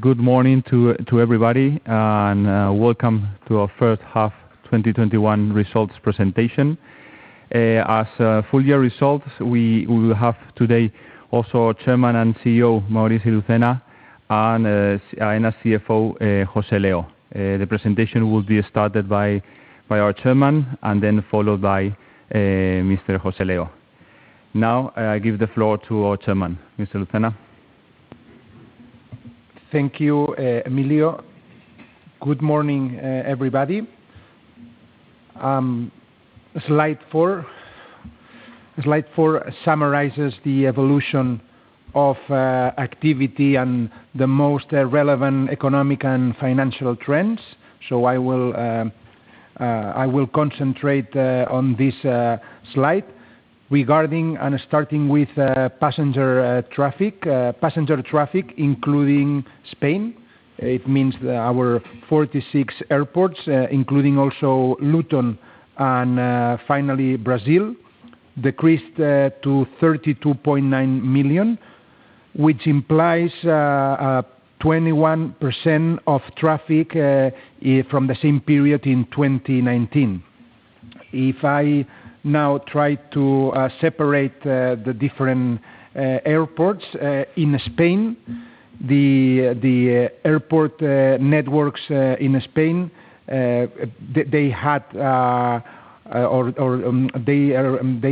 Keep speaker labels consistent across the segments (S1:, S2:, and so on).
S1: Good morning to everybody and Welcome to our first half 2021 results presentation. As full-year results, we will have today also our Chairman and CEO, Maurici Lucena, and as CFO, José Leo. The presentation will be started by our Chairman and then followed by Mr. José Leo. I give the floor to our Chairman, Mr. Lucena.
S2: Thank you, Emilio. Good morning, everybody. Slide four summarizes the evolution of activity and the most relevant economic and financial trends. I will concentrate on this slide regarding and starting with passenger traffic including Spain. It means our 46 airports including also Luton and finally Brazil decreased to 32.9 million, which implies 21% of traffic from the same period in 2019. If I now try to separate the different airports in Spain, the airport networks in Spain they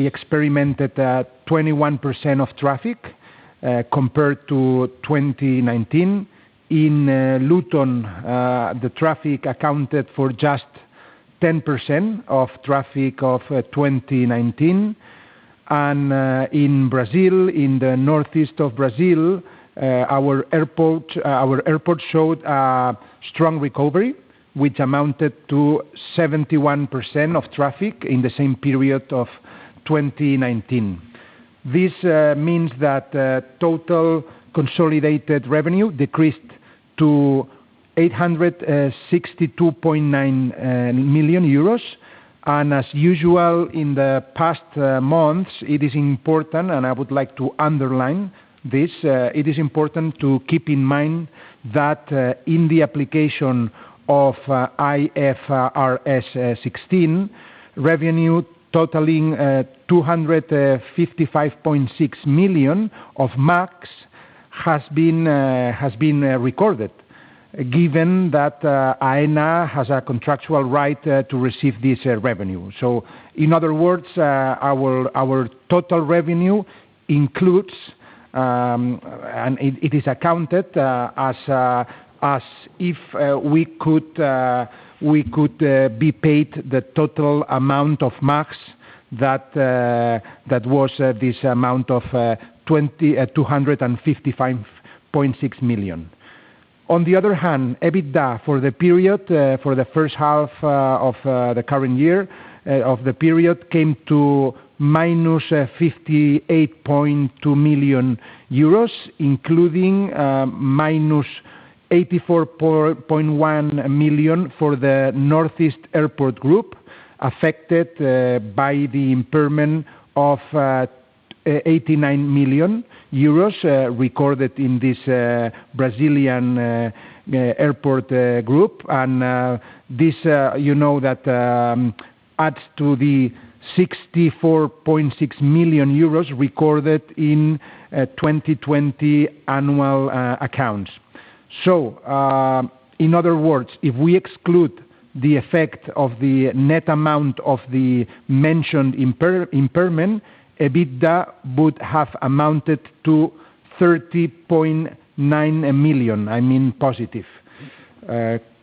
S2: experimented 21% of traffic compared to 2019. In Luton, the traffic accounted for just 10% of traffic of 2019. In Brazil, in the Northeast of Brazil our airport showed a strong recovery, which amounted to 71% of traffic in the same period of 2019. This means that total consolidated revenue decreased to 862.9 million euros. As usual in the past months, it is important and I would like to underline this. It is important to keep in mind that in the application of IFRS 16, revenue totaling 255.6 million of MAGs has been recorded given that Aena has a contractual right to receive this revenue. In other words, our total revenue includes, and it is accounted as if we could be paid the total amount of MAGs that was this amount of 255.6 million. On the other hand, EBITDA for the period for the first half of the current year of the period came to -58.2 million euros, including -84.1 million for the Northeast Airport group affected by the impairment of 89 million euros recorded in this Brazilian airport group. This adds to the 64.6 million euros recorded in 2020 annual accounts. In other words, if we exclude the effect of the net amount of the mentioned impairment, EBITDA would have amounted to 30.9 million, I mean, positive.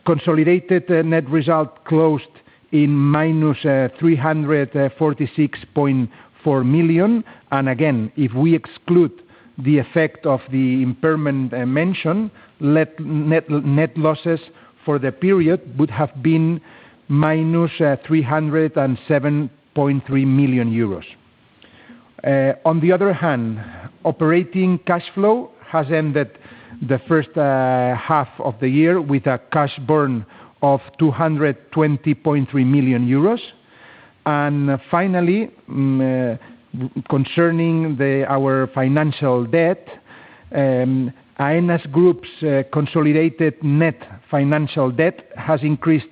S2: Consolidated net result closed in -346.4 million, again, if we exclude the effect of the impairment I mentioned, net losses for the period would have been -307.3 million euros. On the other hand, operating cash flow has ended the first half of the year with a cash burn of 220.3 million euros. Finally, concerning our financial debt, Aena Group's consolidated net financial debt has increased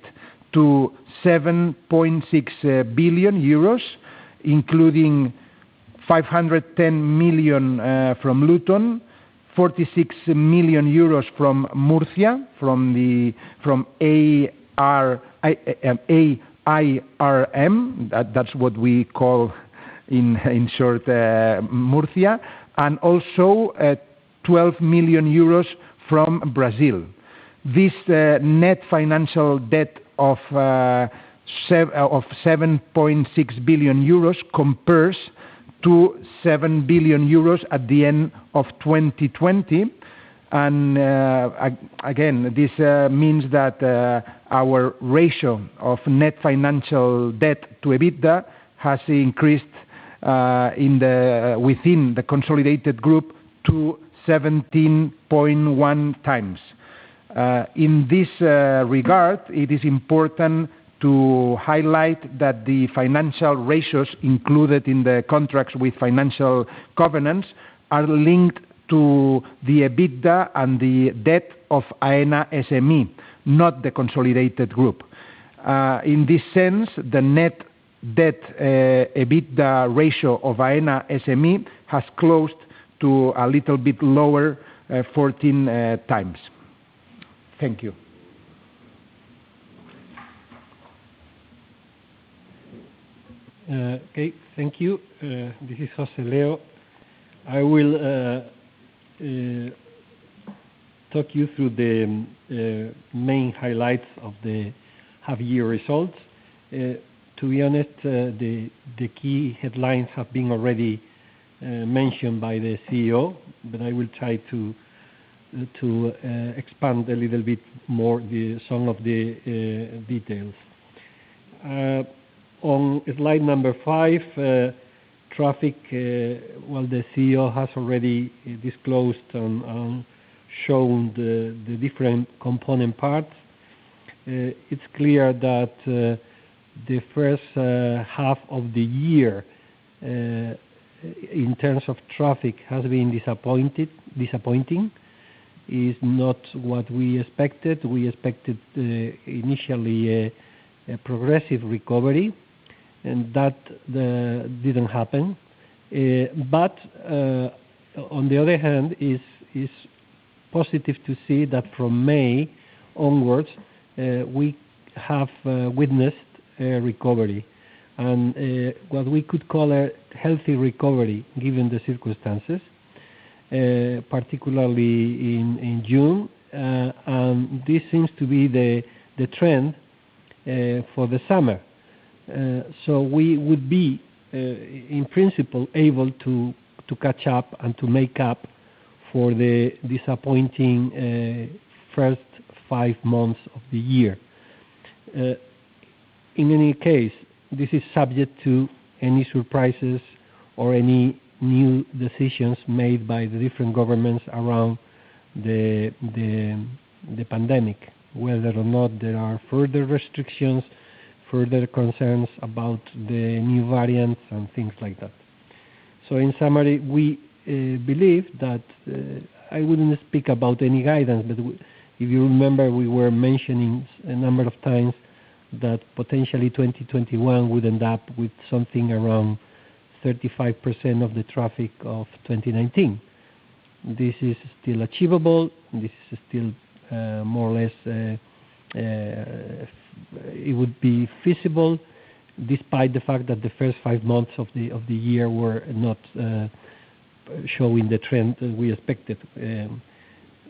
S2: to 7.6 billion euros, including 510 million from Luton, 46 million euros from Murcia, from AIRM, that's what we call in short Murcia, and also 12 million euros from Brazil. This net financial debt of EUR 7.6 billion compares to 7 billion euros at the end of 2020 and again, this means that our ratio of net financial debt to EBITDA has increased within the consolidated group to 17.1 times. In this regard, it is important to highlight that the financial ratios included in the contracts with financial governance are linked to the EBITDA and the debt of Aena SME, not the consolidated group. In this sense, the net debt, EBITDA ratio of Aena SME has closed to a little bit lower 14x. Thank you.
S3: Okay. Thank you. This is José Leo. I will talk you through the main highlights of the half-year results. To be honest, the key headlines have been already mentioned by the CEO. I will try to expand a little bit more some of the details. On slide number five, traffic, while the CEO has already disclosed and shown the different component parts, it's clear that the first half of the year in terms of traffic has been disappointing. It's not what we expected. We expected initially a progressive recovery. That didn't happen. On the other hand, it's positive to see that from May onwards, we have witnessed a recovery and what we could call a healthy recovery given the circumstances, particularly in June. This seems to be the trend for the summer. We would be, in principle, able to catch up and to make up for the disappointing first five months of the year. In any case, this is subject to any surprises or any new decisions made by the different governments around the pandemic, whether or not there are further restrictions, further concerns about the new variants, and things like that. In summary, we believe that I wouldn't speak about any guidance, but if you remember, we were mentioning a number of times that potentially 2021 would end up with something around 35% of the traffic of 2019. This is still achievable. This is still more or less it would be feasible despite the fact that the first five months of the year were not showing the trend we expected.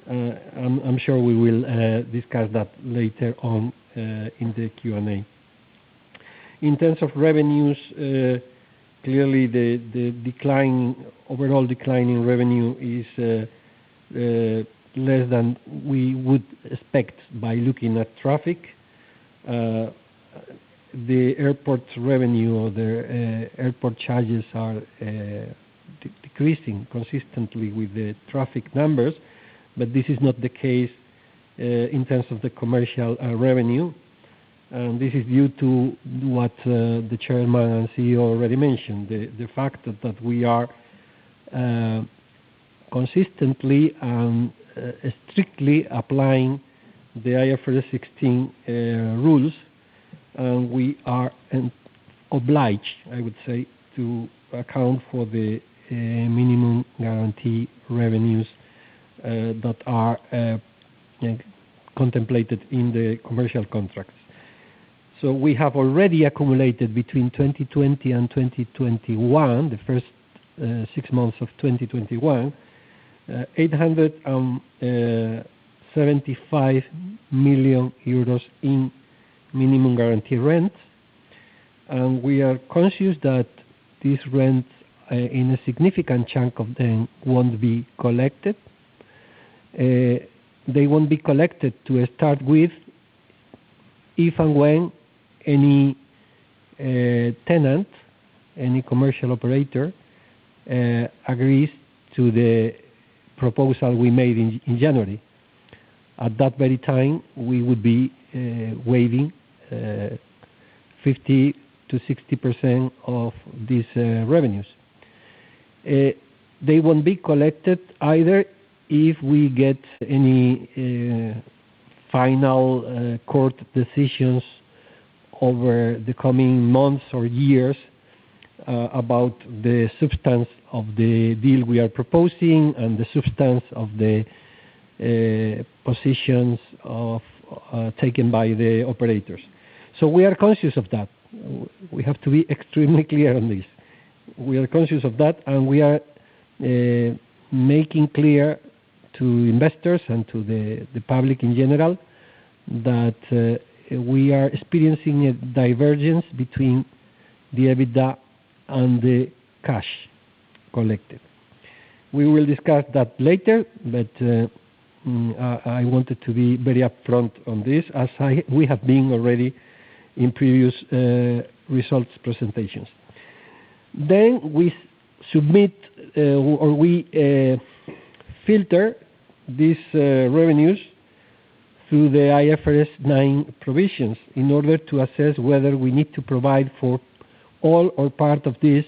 S3: I'm sure we will discuss that later on in the Q&A. In terms of revenues, clearly the overall decline in revenue is less than we would expect by looking at traffic. The airport revenue or the airport charges are decreasing consistently with the traffic numbers, but this is not the case in terms of the commercial revenue. This is due to what the chairman and CEO already mentioned, the fact that we are consistently and strictly applying the IFRS 16 rules, and we are obliged, I would say, to account for the minimum guarantee revenues that are contemplated in the commercial contracts. We have already accumulated between 2020 and 2021, the first six months of 2021, 875 million euros in minimum guarantee rent. We are conscious that these rents, in a significant chunk of them, won't be collected. They won't be collected to start with if and when any tenant, any commercial operator, agrees to the proposal we made in January. At that very time, we would be waiving 50% to 60% of these revenues. They won't be collected either if we get any final court decisions over the coming months or years about the substance of the deal we are proposing and the substance of the positions taken by the operators. We are conscious of that. We have to be extremely clear on this. We are conscious of that, and we are making clear to investors and to the public in general that we are experiencing a divergence between the EBITDA and the cash collected. We will discuss that later, but I wanted to be very upfront on this, as we have been already in previous results presentations. We submit, or we filter these revenues through the IFRS 9 provisions in order to assess whether we need to provide for all or part of this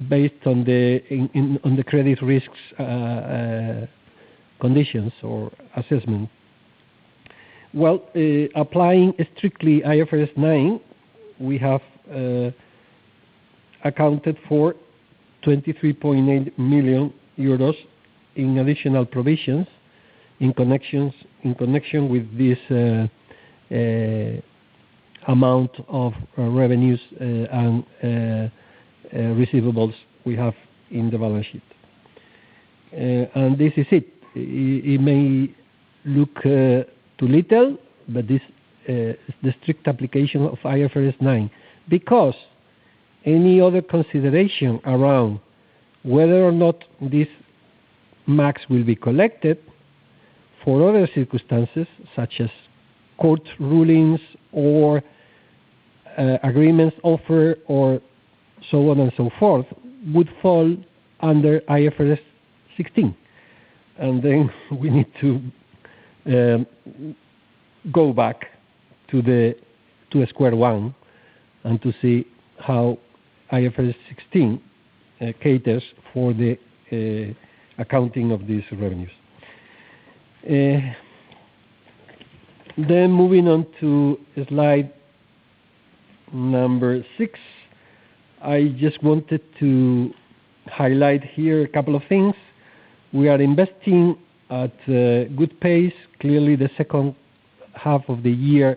S3: based on the credit risks, conditions, or assessment. Well, applying strictly IFRS 9, we have accounted for 23.8 million euros in additional provisions in connection with this amount of revenues and receivables we have in the balance sheet. This is it. It may look too little, but this is the strict application of IFRS 9. Any other consideration around whether or not these MAGs will be collected for other circumstances, such as court rulings or agreements offer or so on and so forth, would fall under IFRS 16. We need to go back to square one and to see how IFRS 16 caters for the accounting of these revenues. Moving on to slide number six, I just wanted to highlight here a couple of things. We are investing at a good pace. Clearly, the second half of the year,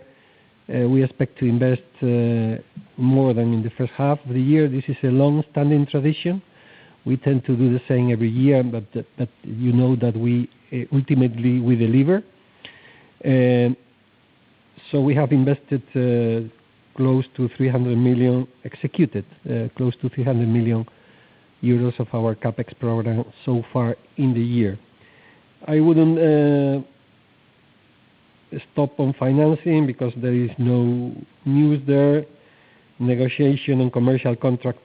S3: we expect to invest more than in the first half of the year. This is a long-standing tradition. We tend to do the same every year, but you know that ultimately, we deliver. We have executed close to 300 million euros of our CapEx program so far in the year. I wouldn't stop on financing because there is no news there. Negotiation on commercial contracts,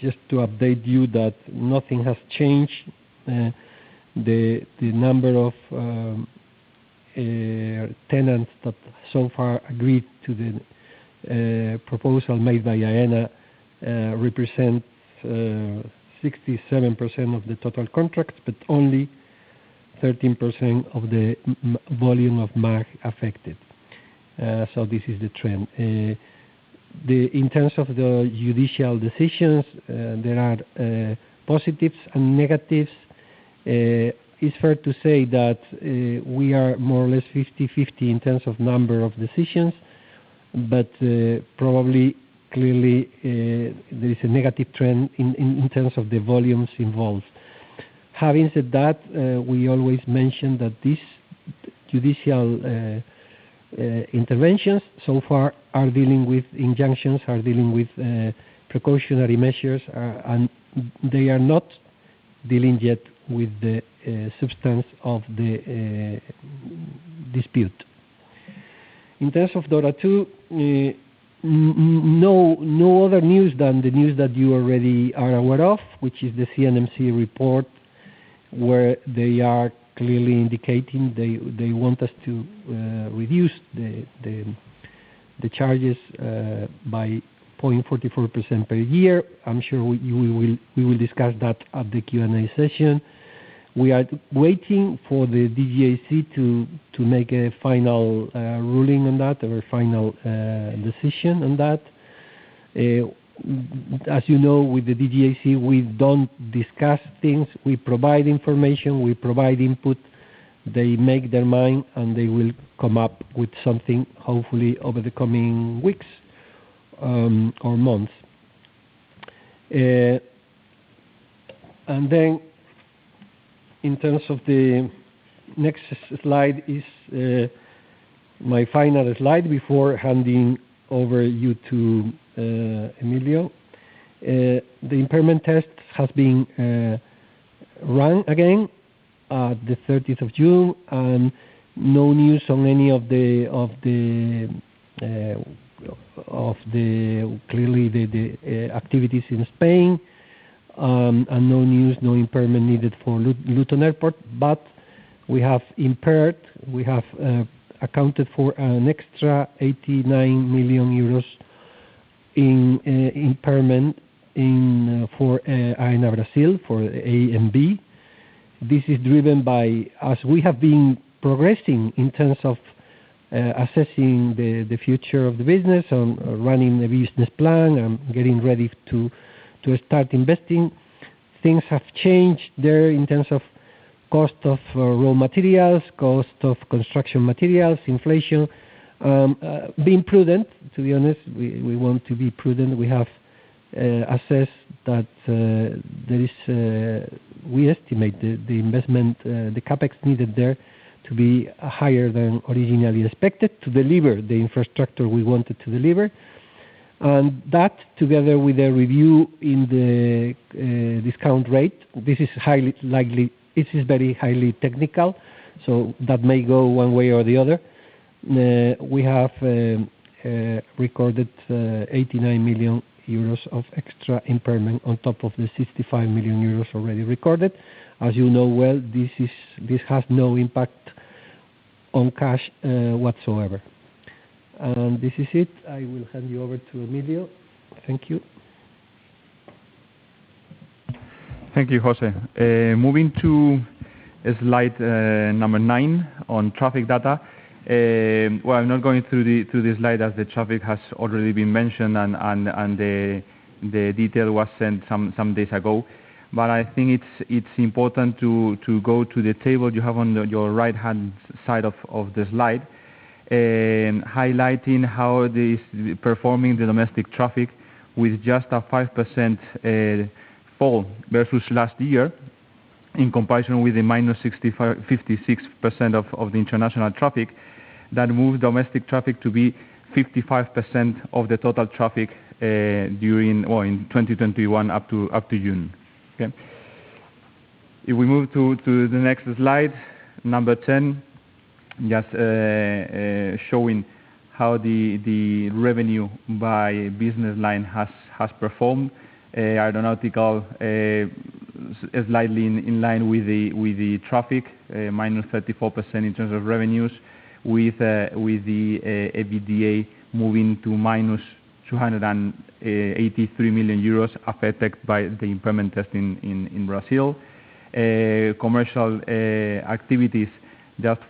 S3: just to update you that nothing has changed. The number of tenants that so far agreed to the proposal made by Aena represents 67% of the total contracts, but only 13% of the volume of MAG affected. This is the trend. In terms of the judicial decisions, there are positives and negatives. It's fair to say that we are more or less 50/50 in terms of number of decisions, but probably, clearly, there is a negative trend in terms of the volumes involved. Having said that, we always mention that these judicial interventions so far are dealing with injunctions, are dealing with precautionary measures, and they are not dealing yet with the substance of the dispute. In terms of DORA 2, no other news than the news that you already are aware of, which is the CNMC report, where they are clearly indicating they want us to reduce the charges by 0.44% per year. I'm sure we will discuss that at the Q&A session. We are waiting for the DGAC to make a final ruling on that or a final decision on that. As you know, with the DGAC, we don't discuss things. We provide information. We provide input. They make their mind, and they will come up with something, hopefully over the coming weeks or months. In terms of the next slide, is my final slide before handing over you to Emilio. The impairment test has been run again at the 30th of June, and no news on any of the, clearly, the activities in Spain, and no news, no impairment needed for Luton Airport. We have impaired, we have accounted for an extra 89 million euros in impairment for Aena Brasil, for ANB. This is driven by, as we have been progressing in terms of assessing the future of the business, running the business plan, and getting ready to start investing, things have changed there in terms of cost of raw materials, cost of construction materials, inflation. Being prudent, to be honest, we want to be prudent. We have assessed that we estimate the investment, the CapEx needed there to be higher than originally expected to deliver the infrastructure we wanted to deliver. That, together with a review in the discount rate, this is very highly technical, so that may go one way or the other. We have recorded 89 million euros of extra impairment on top of the 65 million euros already recorded. As you know well, this has no impact on cash whatsoever. This is it. I will hand you over to Emilio. Thank you.
S1: Thank you, José. Moving to slide number nine on traffic data. Well, I am not going through the slide as the traffic has already been mentioned, and the detail was sent some days ago. I think it is important to go to the table you have on your right-hand side of the slide, highlighting how it is performing the domestic traffic with just a 5% fall versus last year, in comparison with the -65%, 56% of the international traffic that moves domestic traffic to be 55% of the total traffic in 2021 up to June. Okay. If we move to the next slide, number 10, just showing how the revenue by business line has performed. Aeronautical is slightly in line with the traffic, -34% in terms of revenues, with the EBITDA moving to -283 million euros, affected by the impairment test in Brazil. Commercial activities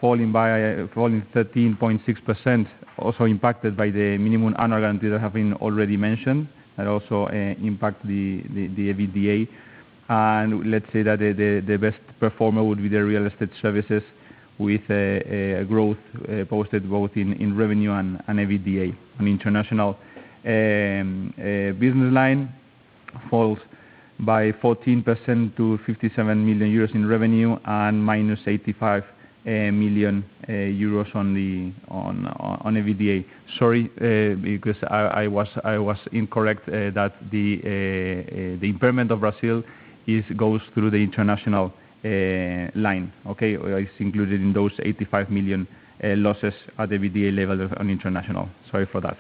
S1: falling 13.6%, also impacted by the Minimum Annual Guarantees that have been already mentioned, that also impact the EBITDA. Let's say that the best performer would be the real estate services with a growth posted both in revenue and EBITDA. International business line falls by 14% to 57 million euros in revenue and -85 million euros on EBITDA. Sorry, because I was incorrect that the impairment of Brazil goes through the international line. Okay? It is included in those 85 million losses at EBITDA level on international. Sorry for that.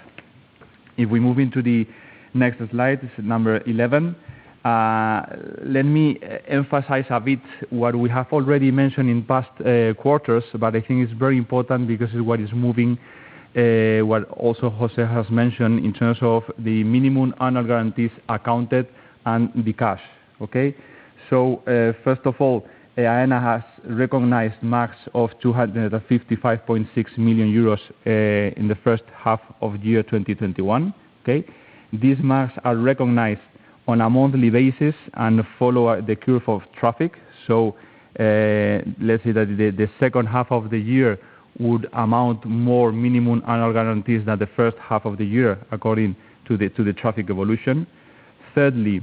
S1: If we move into the next slide, number 11, let me emphasize a bit what we have already mentioned in past quarters, but I think it is very important because it is what is moving, what also José has mentioned in terms of the Minimum Annual Guarantees accounted and the cash. First of all, Aena has recognized MAGs of 255.6 million euros in the first half of 2021. Okay? These MAGs are recognized on a monthly basis and follow the curve of traffic. Let's say that the second half of the year would amount more minimum annual guarantees than the first half of the year according to the traffic evolution. Thirdly,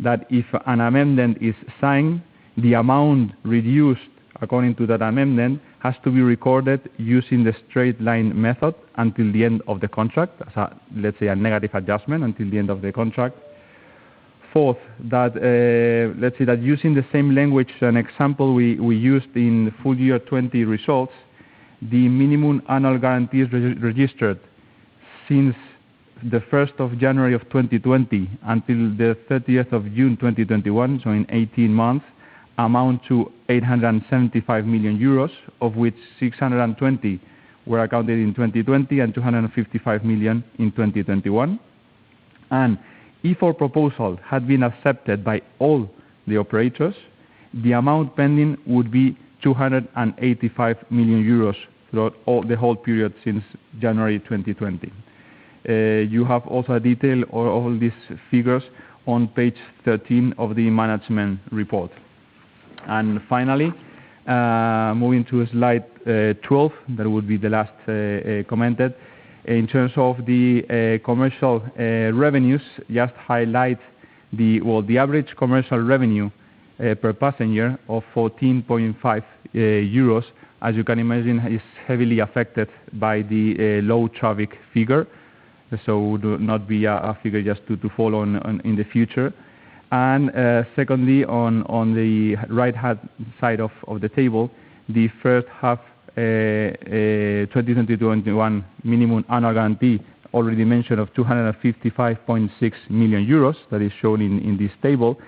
S1: that if an amendment is signed, the amount reduced according to that amendment has to be recorded using the straight line method until the end of the contract, let's say a negative adjustment until the end of the contract. Fourth, let's say that using the same language and example we used in full year 2020 results, the Minimum Annual Guarantees registered since the 1st of January 2020 until the 30th of June 2021, so in 18 months, amount to 875 million euros, of which 620 million were accounted in 2020 and 255 million in 2021. If our proposal had been accepted by all the operators, the amount pending would be 285 million euros throughout the whole period since January 2020. You have also a detail of all these figures on page 13 of the management report. Finally, moving to slide 12, that would be the last commented. In terms of the commercial revenues, just highlight the average commercial revenue per passenger of 14.5 euros, as you can imagine, is heavily affected by the low traffic figure, so would not be a figure just to follow in the future. Secondly, on the right-hand side of the table, the first half 2021 Minimum Annual Guaranteed already mentioned of 255.6 million euros that is shown in this table.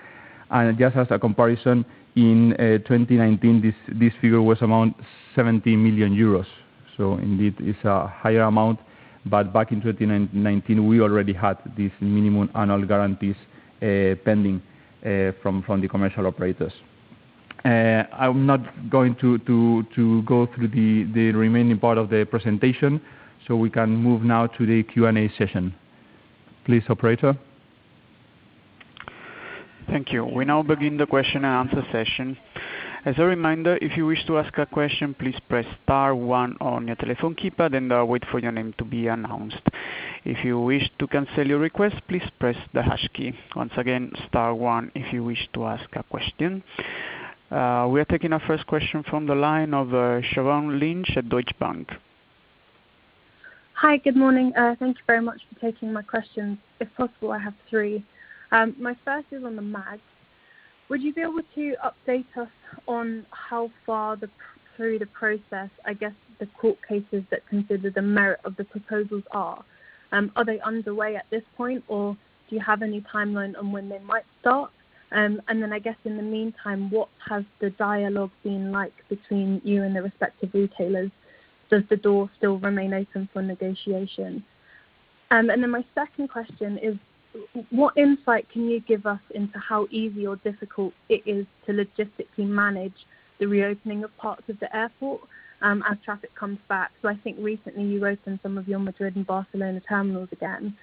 S1: Just as a comparison, in 2019, this figure was around 70 million euros. Indeed, it's a higher amount. Back in 2019, we already had these Minimum Annual Guaranteed pending from the commercial operators. I'm not going to go through the remaining part of the presentation, so we can move now to the Q&A session. Please, operator.
S4: Thank you. We now begin the question and answer session. We are taking our first question from the line of Siobhan Lynch at Deutsche Bank.
S5: Hi. Good morning. Thank you very much for taking my questions. If possible, I have three. My first is on the MAG. Would you be able to update us on how far through the process, I guess, the court cases that consider the merit of the proposals are? Are they underway at this point, or do you have any timeline on when they might start? I guess in the meantime, what has the dialogue been like between you and the respective retailers? Does the door still remain open for negotiation? My second question is what insight can you give us into how easy or difficult it is to logistically manage the reopening of parts of the airport as traffic comes back? I think recently you opened some of your Madrid and Barcelona terminals again.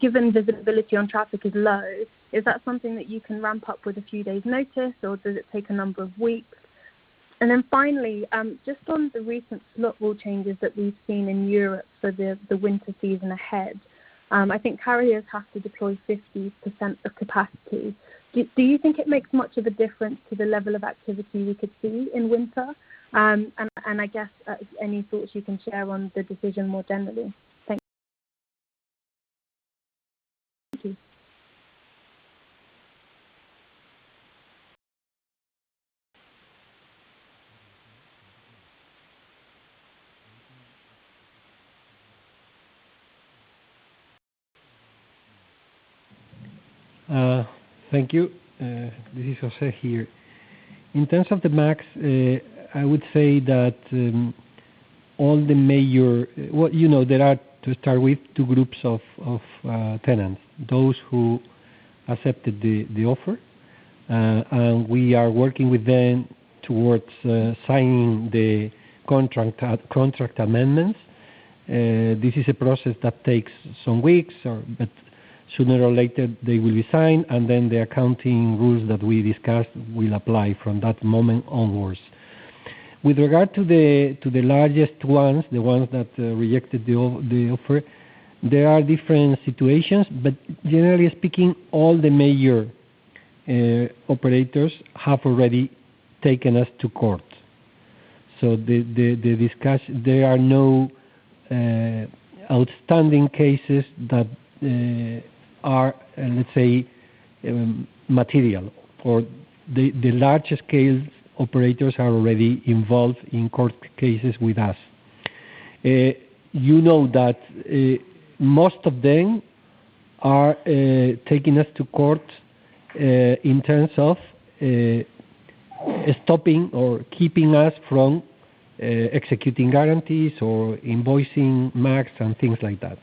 S5: Given visibility on traffic is low, is that something that you can ramp up with a few days' notice, or does it take a number of weeks? Finally, just on the recent slot rule changes that we've seen in Europe for the winter season ahead, I think carriers have to deploy 50% of capacity. Do you think it makes much of a difference to the level of activity we could see in winter? I guess any thoughts you can share on the decision more generally? Thanks. Thank you.
S3: Thank you. This is José here. In terms of the MAG, I would say that, to start with, two groups of tenants, those who accepted the offer, and we are working with them towards signing the contract amendments. This is a process that takes some weeks, but sooner or later they will be signed, and then the accounting rules that we discussed will apply from that moment onwards. With regard to the largest ones, the ones that rejected the offer, there are different situations, but generally speaking, all the major operators have already taken us to court. There are no outstanding cases that are, let's say, material, or the larger scale operators are already involved in court cases with us. You know that most of them are taking us to court in terms of stopping or keeping us from executing guarantees or invoicing MAGs and things like that.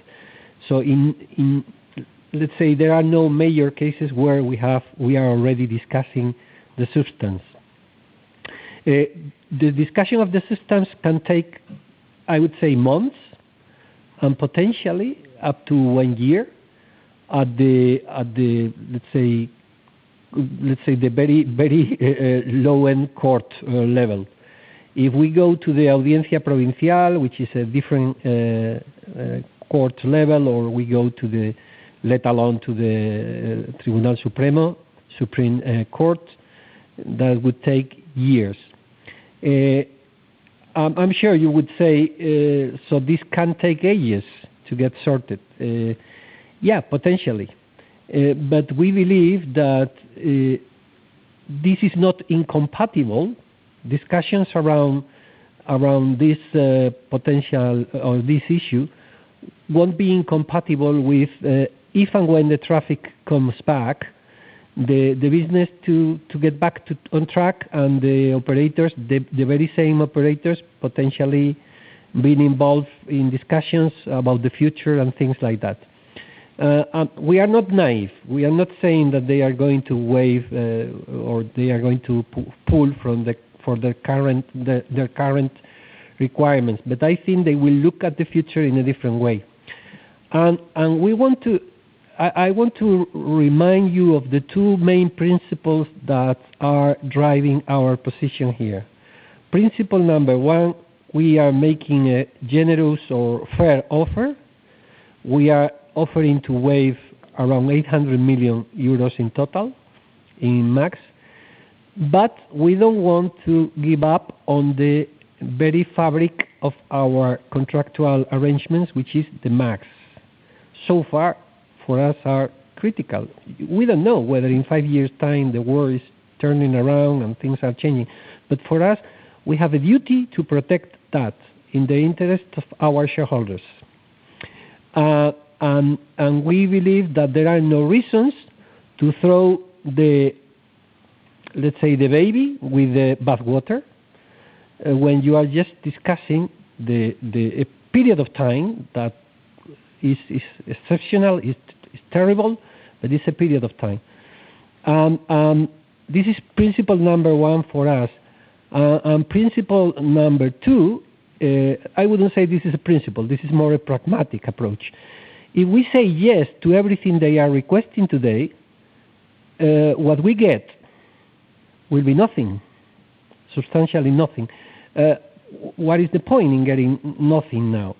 S3: Let's say there are no major cases where we are already discussing the substance. The discussion of the substance can take, I would say, months and potentially up to one year at the, let's say, the very low-end court level. If we go to the Audiencia Provincial, which is a different court level, or we go to the let alone to the Tribunal Supremo, Supreme Court, that would take years. I'm sure you would say, "This can take ages to get sorted." Yeah, potentially. We believe that this is not incompatible, discussions around this potential or this issue won't be incompatible with if and when the traffic comes back, the business to get back on track and the very same operators potentially being involved in discussions about the future and things like that. We are not naive. We are not saying that they are going to waive or they are going to pull from their current requirements. I think they will look at the future in a different way. I want to remind you of the two main principles that are driving our position here. Principle number one, we are making a generous or fair offer. We are offering to waive around 800 million euros in total in MAG. We don't want to give up on the very fabric of our contractual arrangements, which is the MAG. So far, for us are critical. We don't know whether in five years' time, the world is turning around and things are changing. For us, we have a duty to protect that in the interest of our shareholders. We believe that there are no reasons to throw the, let's say, the baby with the bath water when you are just discussing the period of time that is exceptional, it's terrible, but it's a period of time. This is principle number one for us. Principle number two, I wouldn't say this is a principle, this is more a pragmatic approach. If we say yes to everything they are requesting today, what we get will be nothing, substantially nothing. What is the point in getting nothing now?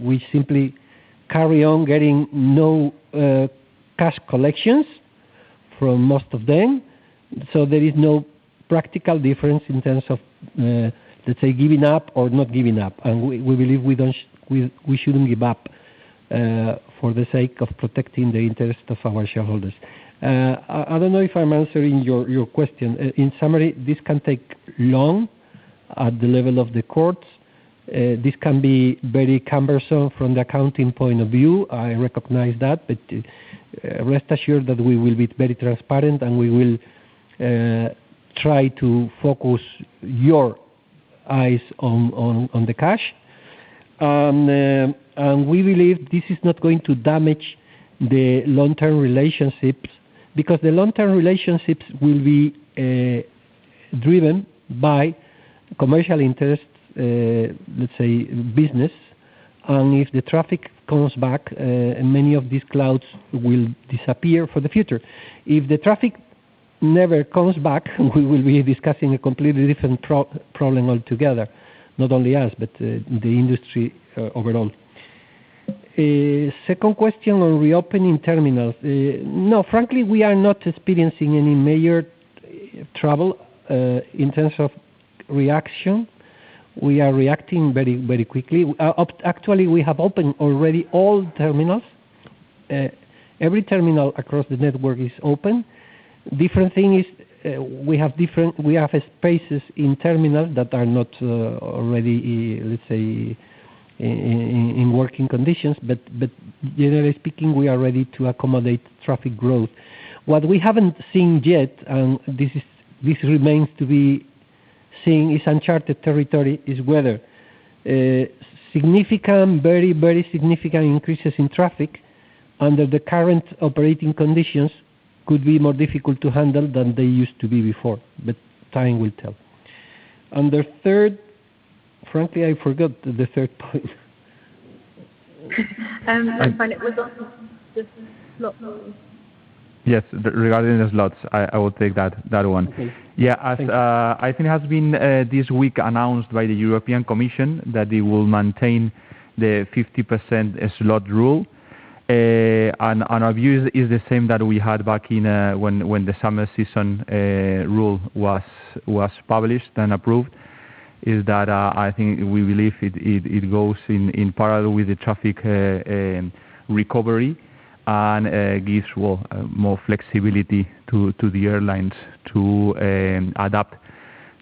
S3: We simply carry on getting no cash collections from most of them. There is no practical difference in terms of, let's say, giving up or not giving up. We believe we shouldn't give up for the sake of protecting the interest of our shareholders. I don't know if I'm answering your question. In summary, this can take long at the level of the courts. This can be very cumbersome from the accounting point of view, I recognize that, but rest assured that we will be very transparent, and we will try to focus your eyes on the cash. We believe this is not going to damage the long-term relationships, because the long-term relationships will be driven by commercial interests, let's say business. If the traffic comes back, many of these clouds will disappear for the future. If the traffic never comes back, we will be discussing a completely different problem altogether, not only us, but the industry overall. Second question on reopening terminals. No, frankly, we are not experiencing any major trouble in terms of reaction. We are reacting very quickly. Actually, we have opened already all terminals. Every terminal across the network is open. Different thing is we have spaces in terminals that are not already in working conditions. Generally speaking, we are ready to accommodate traffic growth. What we haven't seen yet, and this remains to be seen, it's uncharted territory, is whether significant, very significant increases in traffic under the current operating conditions could be more difficult to handle than they used to be before, but time will tell. The third, frankly, I forgot the third point.
S5: I find it was on the slot rule.
S1: Yes, regarding the slots. I will take that one.
S3: Okay.
S1: I think it has been this week announced by the European Commission that they will maintain the 50% slot rule. Our view is the same that we had back when the summer season rule was published and approved, is that I think we believe it goes in parallel with the traffic recovery and gives more flexibility to the airlines to adapt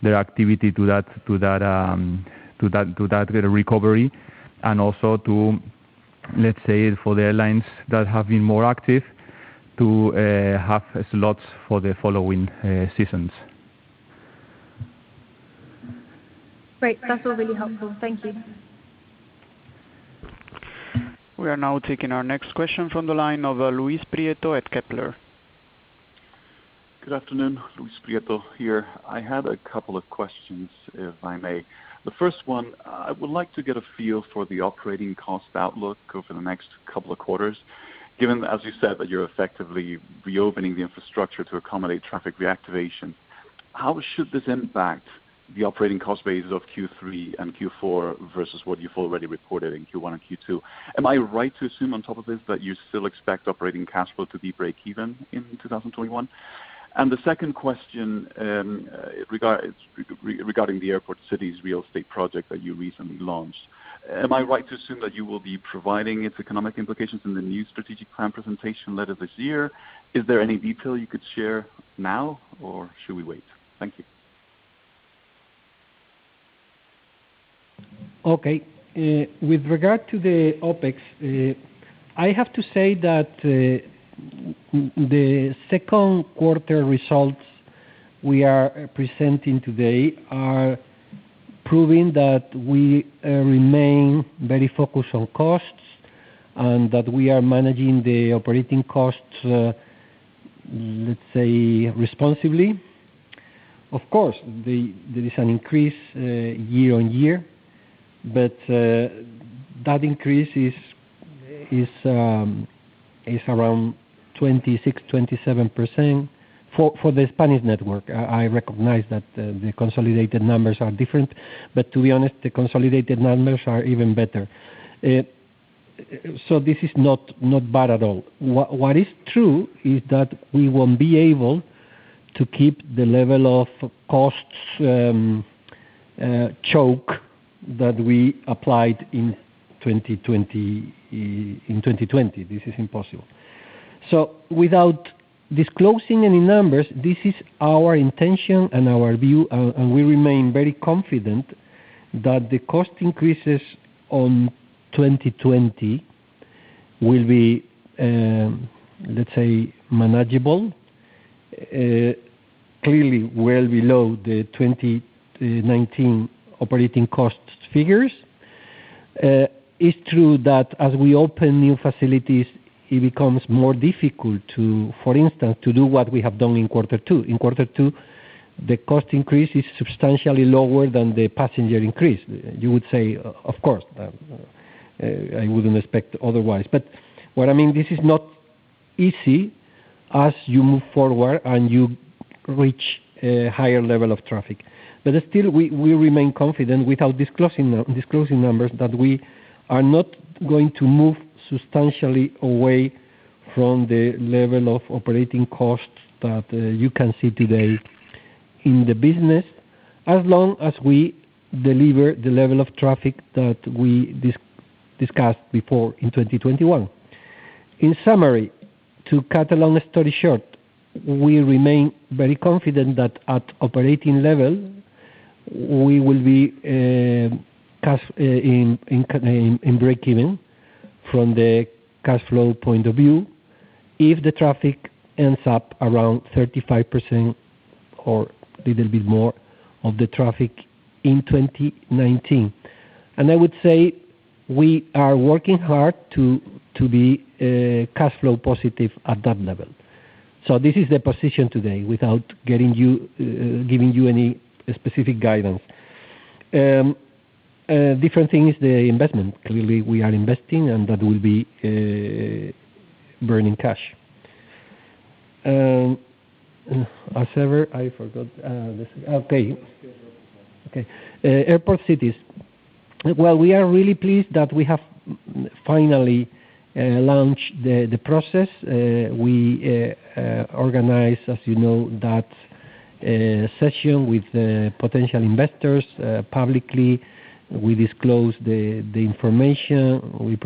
S1: their activity to that recovery and also to, let's say, for the airlines that have been more active to have slots for the following seasons.
S5: Great. That's all really helpful. Thank you.
S4: We are now taking our next question from the line of Luis Prieto at Kepler.
S6: Good afternoon, Luis Prieto here. I had a couple of questions, if I may. The first one, I would like to get a feel for the operating cost outlook over the next couple of quarters, given, as you said, that you're effectively reopening the infrastructure to accommodate traffic reactivation. How should this impact the operating cost bases of Q3 and Q4 versus what you've already reported in Q1 and Q2? Am I right to assume on top of this that you still expect operating cash flow to be breakeven in 2021? The second question regarding the Airport Cities real estate project that you recently launched. Am I right to assume that you will be providing its economic implications in the new strategic plan presentation later this year? Is there any detail you could share now, or should we wait? Thank you.
S3: Okay. With regard to the OpEx, I have to say that the second quarter results we are presenting today are proving that we remain very focused on costs and that we are managing the operating costs, let's say, responsibly. Of course, there is an increase year-on-year, but that increase is around 26%, 27% for the Spanish network. I recognize that the consolidated numbers are different, but to be honest, the consolidated numbers are even better. This is not bad at all. What is true is that we won't be able to keep the level of costs choke that we applied in 2020. This is impossible. Without disclosing any numbers, this is our intention and our view, and we remain very confident that the cost increases on 2020 will be, let's say, manageable, clearly well below the 2019 operating cost figures. It's true that as we open new facilities, it becomes more difficult, for instance, to do what we have done in quarter two. In quarter two, the cost increase is substantially lower than the passenger increase. You would say, of course, I wouldn't expect otherwise. What I mean, this is not easy as you move forward and reach a higher level of traffic. Still, we remain confident, without disclosing numbers, that we are not going to move substantially away from the level of operating costs that you can see today in the business, as long as we deliver the level of traffic that we discussed before in 2021. In summary, to cut a long story short, we remain very confident that at operating level, we will be in breakeven from the cash flow point of view if the traffic ends up around 35% or a little bit more of the traffic in 2019. I would say we are working hard to be cash flow positive at that level. This is the position today without giving you any specific guidance. A different thing is the investment. Clearly, we are investing, and that will be burning cash. I forgot this. Okay.
S6: Airport Cities.
S3: Airport Cities. Well, we are really pleased that we have finally launched the process. We organized, as you know, that session with potential investors publicly. We disclosed the information, we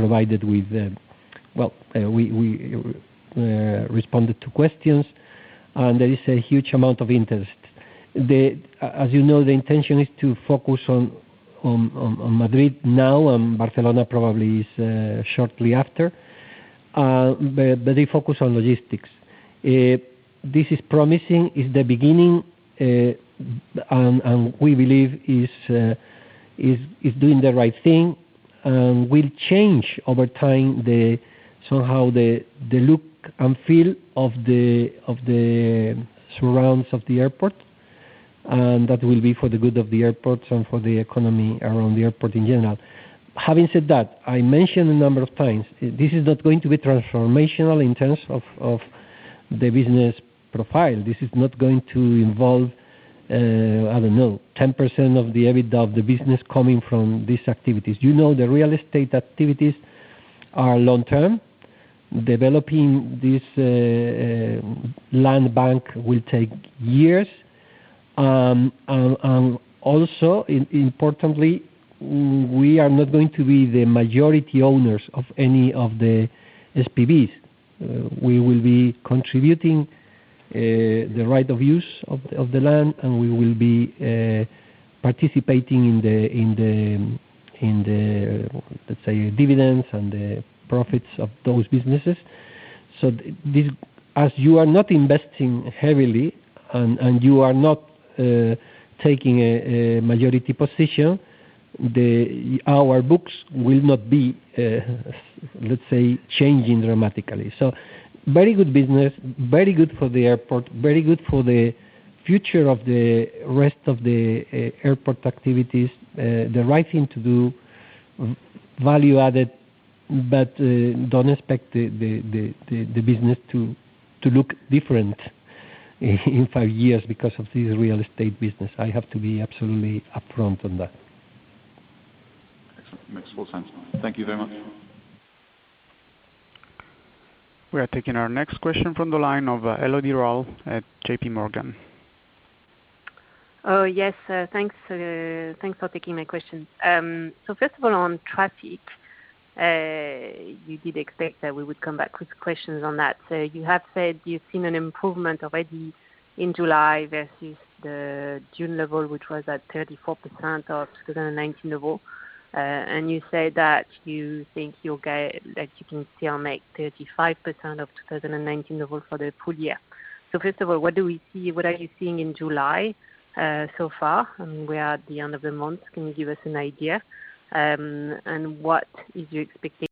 S3: responded to questions, and there is a huge amount of interest. As you know, the intention is to focus on Madrid now, and Barcelona probably is shortly after, but the focus is on logistics. This is promising. It's the beginning, and we believe it's doing the right thing, and will change over time the look and feel of the surrounds of the airport. That will be for the good of the airport and for the economy around the airport in general. Having said that, I mentioned a number of times, this is not going to be transformational in terms of the business profile. This is not going to involve 10% of the EBITDA of the business coming from these activities. You know the real estate activities are long-term. Developing this land bank will take years. Also importantly, we are not going to be the majority owners of any of the SPVs. We will be contributing the right of use of the land, and we will be participating in the, let's say, dividends and the profits of those businesses. As you are not investing heavily, and you are not taking a majority position, our books will not be changing dramatically. Very good business, very good for the airport, very good for the future of the rest of the airport activities, the right thing to do, value added, but don't expect the business to look different in five years because of this real estate business. I have to be absolutely upfront on that.
S6: Excellent. Makes full sense. Thank you very much.
S4: We are taking our next question from the line of Elodie Rall at JPMorgan.
S7: Oh, yes. Thanks for taking my question. First of all, on traffic, you did expect that we would come back with questions on that. You have said you've seen an improvement already in July versus the June level, which was at 34% of 2019 level. You said that you think that you can still make 35% of 2019 level for the full year. First of all, what are you seeing in July so far? We are at the end of the month, can you give us an idea? What is your expectation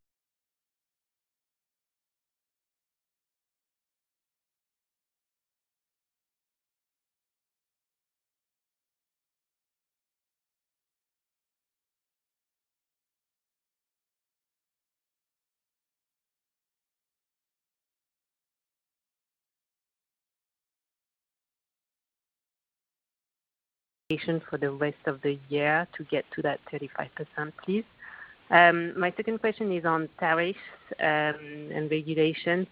S7: for the rest of the year to get to that 35%, please? My second question is on tariffs and regulation.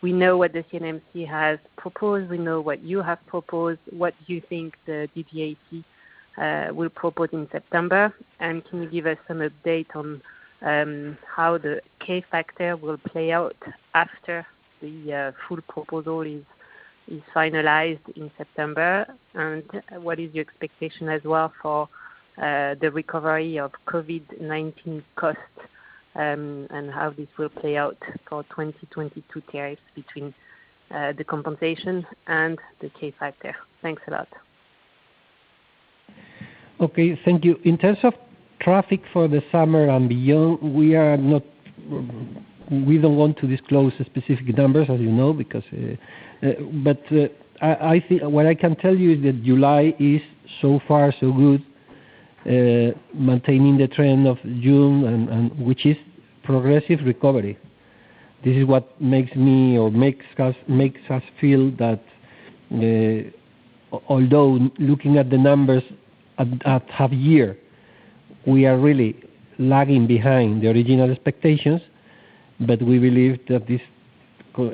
S7: We know what the CNMC has proposed, we know what you have proposed, what do you think the DGAC will propose in September? Can you give us some update on how the K factor will play out after the full proposal is finalized in September? What is your expectation as well for the recovery of COVID-19 costs, and how this will play out for 2022 tariffs between the compensation and the K factor? Thanks a lot.
S3: Okay. Thank you. In terms of traffic for the summer and beyond, we don't want to disclose specific numbers, as you know. What I can tell you is that July is so far so good, maintaining the trend of June, which is progressive recovery. This is what makes us feel that although looking at the numbers at half year, we are really lagging behind the original expectations. We believe that it is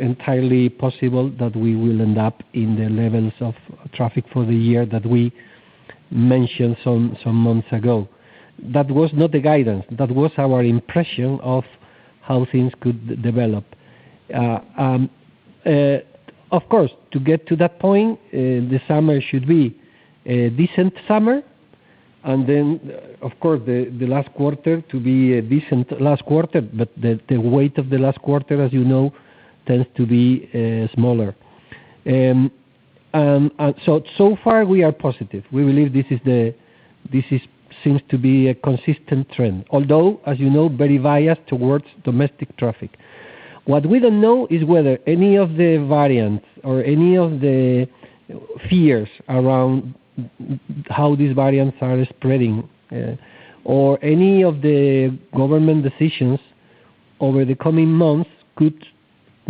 S3: entirely possible that we will end up in the levels of traffic for the year that we mentioned some months ago. That was not the guidance. That was our impression of how things could develop. Of course, to get to that point, the summer should be a decent summer. Then, of course, the last quarter to be a decent last quarter, but the weight of the last quarter, as you know, tends to be smaller. So far, we are positive. We believe this seems to be a consistent trend, although, as you know, very biased towards domestic traffic. What we don't know is whether any of the variants or any of the fears around how these variants are spreading, or any of the government decisions over the coming months could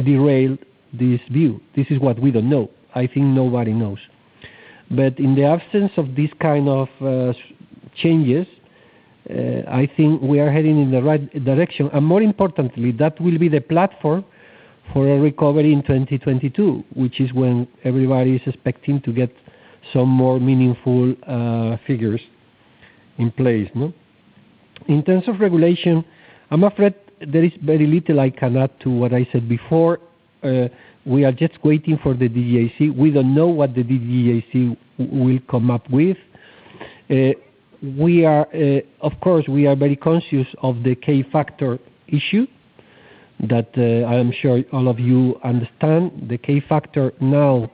S3: derail this view. This is what we don't know. I think nobody knows. In the absence of these kind of changes, I think we are heading in the right direction. More importantly, that will be the platform for a recovery in 2022, which is when everybody is expecting to get some more meaningful figures in place. In terms of regulation, I'm afraid there is very little I can add to what I said before. We are just waiting for the DGAC. We don't know what the DGAC will come up with. Of course, we are very conscious of the K factor issue that I am sure all of you understand. The K factor now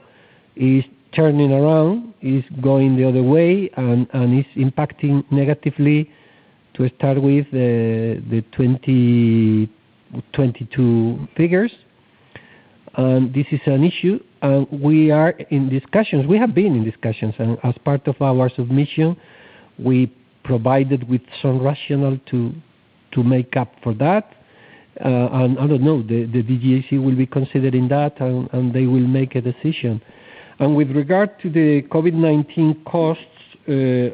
S3: is turning around, is going the other way, and is impacting negatively to start with the 2022 figures. This is an issue, and we are in discussions. We have been in discussions, and as part of our submission, we provided with some rationale to make up for that. I don't know, the DGAC will be considering that, and they will make a decision. With regard to the COVID-19 costs,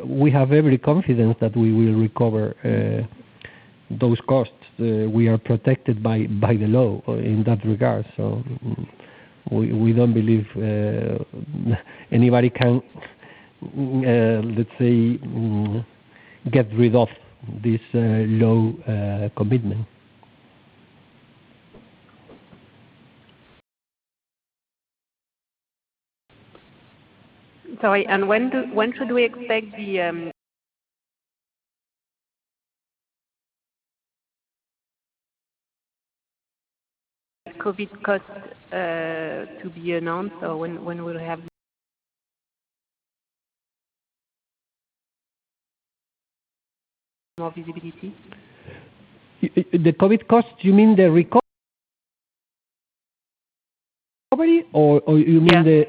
S3: we have every confidence that we will recover those costs. We are protected by the law in that regard. We don't believe anybody can, let's say, get rid of this law commitment.
S7: Sorry, when should we expect the COVID cost to be announced, or when will we have more visibility?
S3: The COVID cost, you mean the recovery, or you mean the?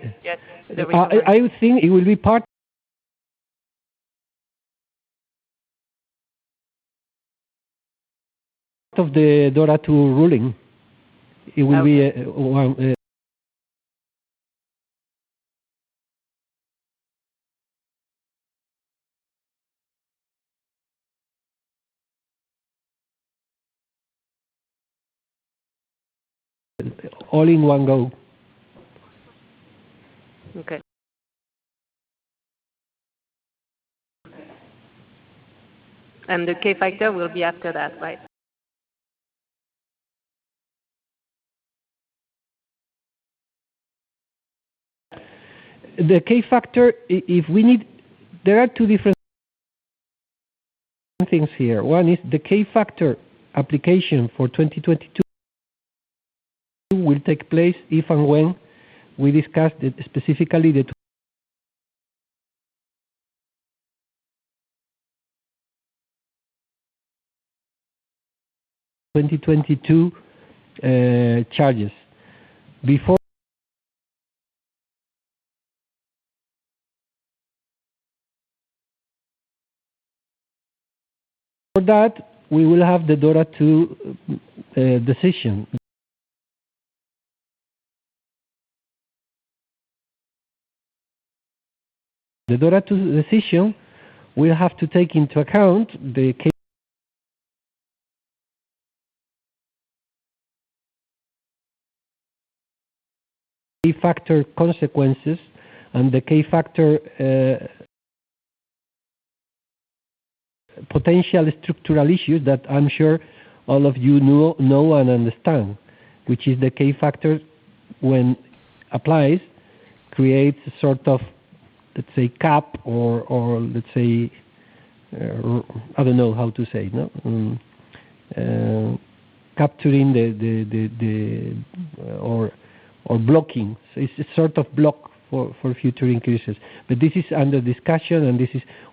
S7: Yes.
S3: I would think it will be part of the DORA 2 ruling. It will be all in one go.
S7: Okay. The K factor will be after that, right?
S3: The K factor, there are two different things here. One is the K factor application for 2022 will take place if and when we discuss specifically the 2022 charges. Before that, we will have the DORA 2 decision. The DORA 2 decision will have to take into account the K factor consequences and the K factor potential structural issues that I'm sure all of you know and understand, which is the K factor, when applied, creates a sort of cap or, I don't know how to say, capturing or blocking. It's a sort of block for future increases. This is under discussion, and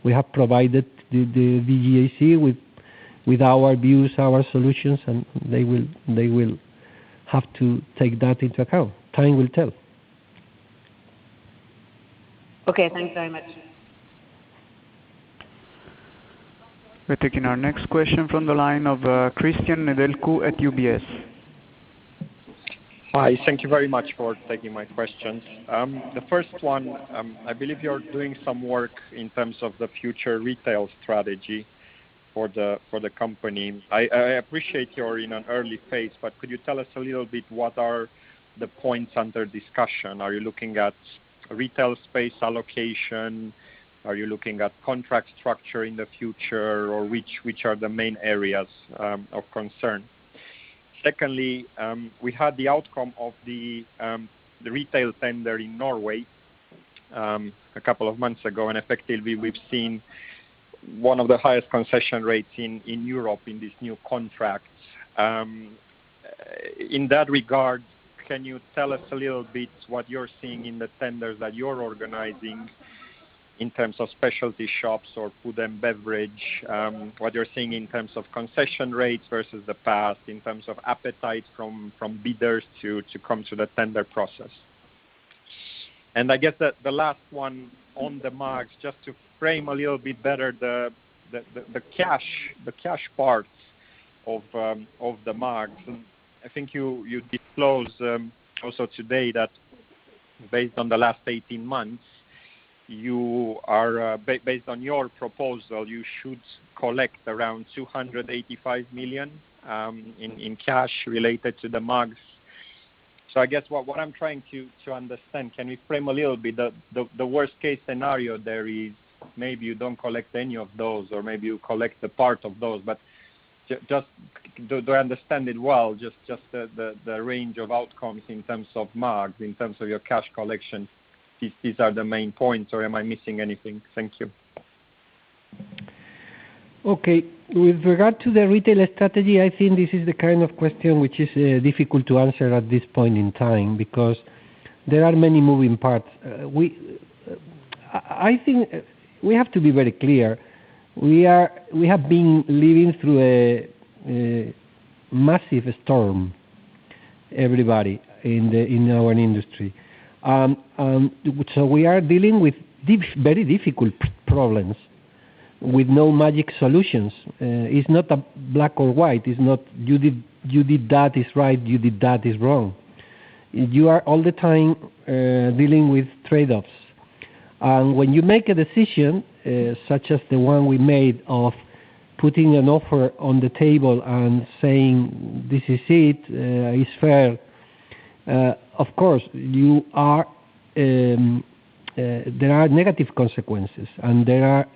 S3: we have provided the DGAC with our views, our solutions, and they will have to take that into account. Time will tell.
S7: Okay, thanks very much.
S4: We're taking our next question from the line of Cristian Nedelcu at UBS.
S8: Hi. Thank you very much for taking my questions. The first one, I believe you're doing some work in terms of the future retail strategy for the company. I appreciate you're in an early phase, but could you tell us a little bit what are the points under discussion? Are you looking at retail space allocation? Are you looking at contract structure in the future? Which are the main areas of concern? Secondly, we had the outcome of the retail tender in Norway, a couple of months ago. Effectively, we've seen one of the highest concession rates in Europe in this new contract. In that regard, can you tell us a little bit what you're seeing in the tenders that you're organizing in terms of specialty shops or food and beverage, what you're seeing in terms of concession rates versus the past, in terms of appetite from bidders to come to the tender process? I guess the last one on the MAGs, just to frame a little bit better the cash part of the MAGs. I think you disclose also today that based on the last 18 months, based on your proposal, you should collect around 285 million in cash related to the MAGs. I guess what I'm trying to understand, can we frame a little bit the worst-case scenario there is maybe you don't collect any of those, or maybe you collect a part of those, but just to understand it well, just the range of outcomes in terms of MAGs, in terms of your cash collection? These are the main points, or am I missing anything? Thank you.
S3: Okay. With regard to the retailer strategy, I think this is the kind of question which is difficult to answer at this point in time because there are many moving parts. I think we have to be very clear. We have been living through a massive storm, everybody in our industry. We are dealing with very difficult problems with no magic solutions. It's not a black or white. It's not you did that is right, you did that is wrong. You are all the time dealing with trade-offs. When you make a decision, such as the one we made of putting an offer on the table and saying, "This is it's fair," of course, there are negative consequences, and there are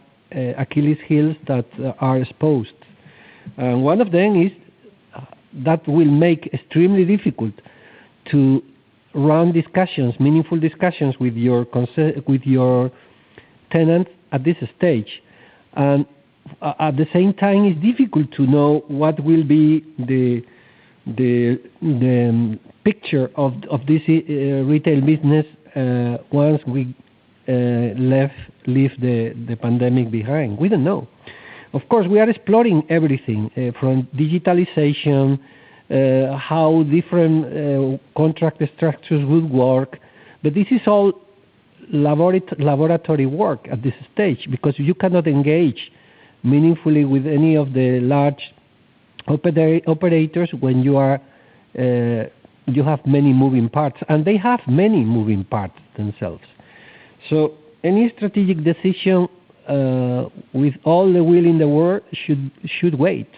S3: Achilles heels that are exposed. One of them is that will make extremely difficult to run discussions, meaningful discussions with your tenants at this stage. At the same time, it's difficult to know what will be the picture of this retail business once we leave the pandemic behind. We don't know. Of course, we are exploring everything from digitalization, how different contract structures would work, but this is all laboratory work at this stage because you cannot engage meaningfully with any of the large operators when you have many moving parts, and they have many moving parts themselves. Any strategic decision with all the will in the world should wait,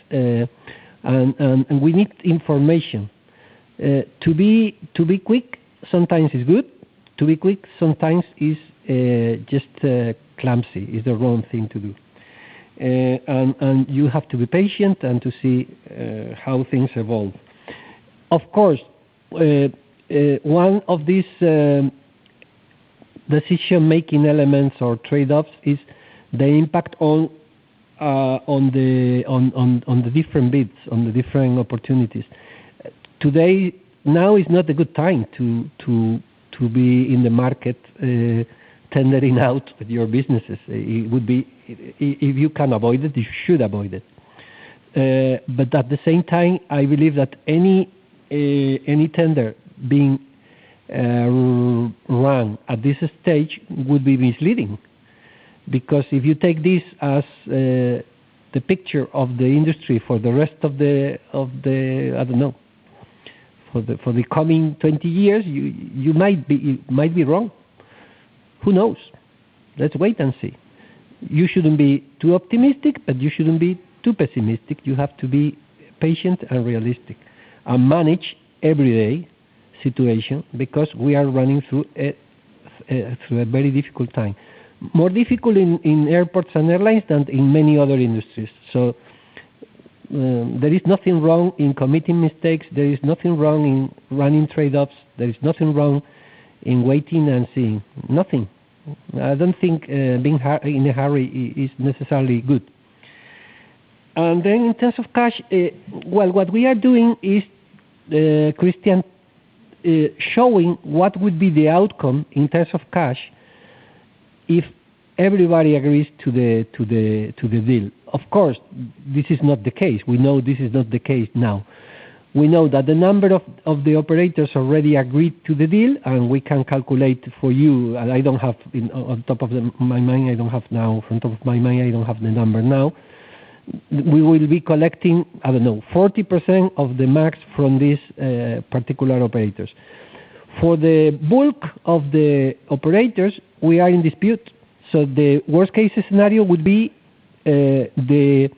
S3: and we need information. To be quick sometimes is good. To be quick sometimes is just clumsy, is the wrong thing to do. You have to be patient and to see how things evolve. Of course, one of these decision-making elements or trade-offs is the impact on the different bids, on the different opportunities. Today, now is not a good time to be in the market tendering out your businesses. If you can avoid it, you should avoid it. At the same time, I believe that any tender being run at this stage would be misleading, because if you take this as the picture of the industry for the rest of the, I don't know, for the coming 20 years, you might be wrong. Who knows? Let's wait and see. You shouldn't be too optimistic, but you shouldn't be too pessimistic. You have to be patient and realistic and manage every day situation because we are running through a very difficult time. More difficult in airports and airlines than in many other industries. There is nothing wrong in committing mistakes. There is nothing wrong in running trade-offs. There is nothing wrong in waiting and seeing. Nothing. I don't think being in a hurry is necessarily good. In terms of cash, well, what we are doing is, Cristian, showing what would be the outcome in terms of cash if everybody agrees to the deal. Of course, this is not the case. We know this is not the case now. We know that the number of the operators already agreed to the deal, and we can calculate for you. From the top of my mind, I don't have the number now. We will be collecting, I don't know, 40% of the MAGs from these particular operators. For the bulk of the operators, we are in dispute. The worst-case scenario would be the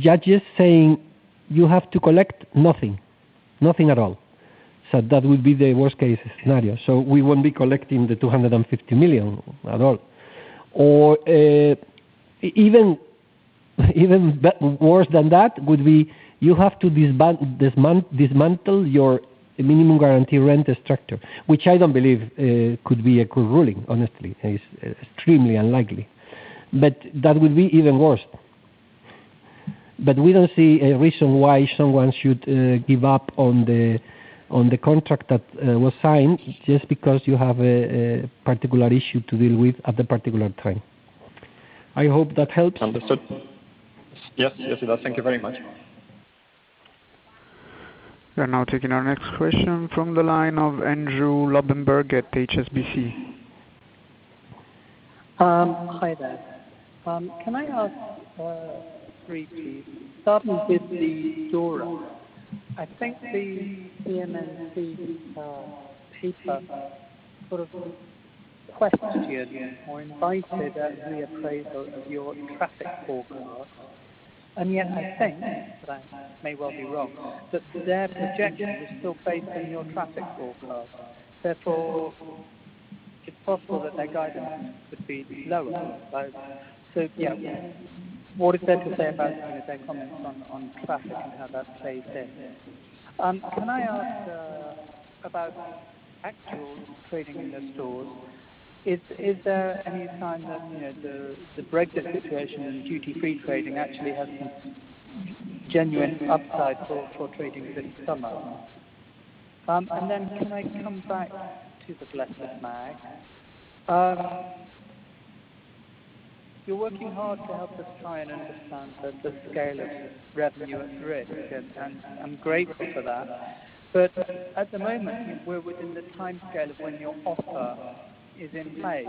S3: judges saying, "You have to collect nothing at all." That would be the worst-case scenario. We won't be collecting the 250 million at all. Even worse than that would be you have to dismantle your minimum guarantee rent structure, which I don't believe could be a good ruling, honestly. It's extremely unlikely. That would be even worse. We don't see a reason why someone should give up on the contract that was signed just because you have a particular issue to deal with at the particular time. I hope that helps.
S8: Understood. Yes, it does. Thank you very much.
S4: We're now taking our next question from the line of Andrew Lobbenberg at HSBC.
S9: Hi there. Can I ask three things? Starting with the DORA. I think the CNMC paper sort of questioned or invited a reappraisal of your traffic forecast, and yet I think, but I may well be wrong, that their projection is still based on your traffic forecast. Therefore, it's possible that their guidance could be lower. Yeah. What is there to say about their comments on traffic and how that plays in? Can I ask about actual trading in the stores? Is there any sign that the Brexit situation and duty-free trading actually has some genuine upside for trading this summer? Can I come back to the present MAG? You're working hard to help us try and understand the scale of revenue and risk, and I'm grateful for that. At the moment, we're within the timescale of when your offer is in place.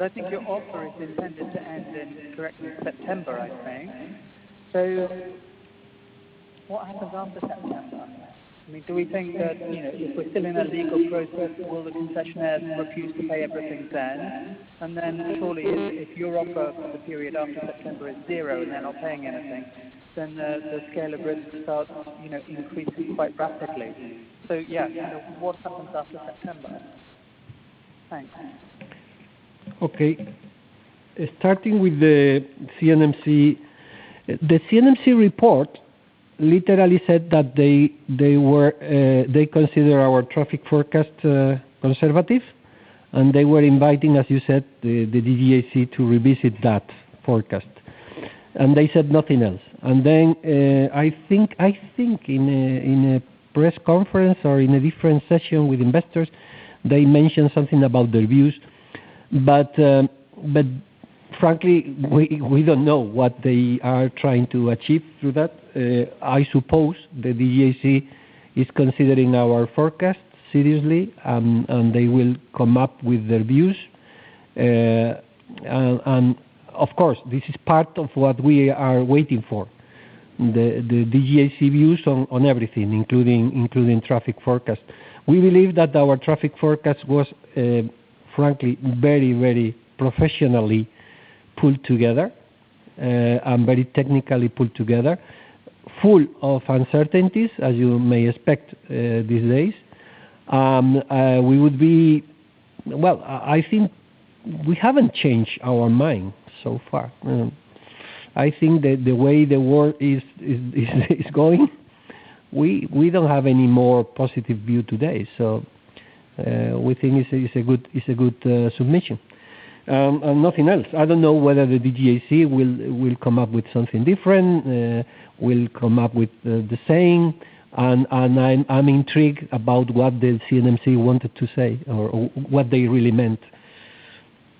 S9: I think your offer is intended to end in, correct me, September, I think. What happens after September? Do we think that if we're still in a legal process, will the concessionaires refuse to pay everything then? Surely, if your offer for the period after September is zero and they're not paying anything, then the scale of risk starts increasing quite rapidly. Yeah, what happens after September? Thanks.
S3: Okay. Starting with the CNMC. The CNMC report literally said that they consider our traffic forecast conservative. They were inviting, as you said, the DGAC to revisit that forecast. They said nothing else. Then, I think in a press conference or in a a different session with investors, they mentioned something about their views. Frankly, we don't know what they are trying to achieve through that. I suppose the DGAC is considering our forecast seriously. They will come up with their views. Of course, this is part of what we are waiting for, the DGAC views on everything, including traffic forecast. We believe that our traffic forecast was, frankly, very professionally put together and very technically put together, full of uncertainties, as you may expect these days. We haven't changed our mind so far. I think that the way the world is going, we don't have any more positive view today. We think it's a good submission. Nothing else. I don't know whether the DGAC will come up with something different, will come up with the same, and I'm intrigued about what the CNMC wanted to say or what they really meant.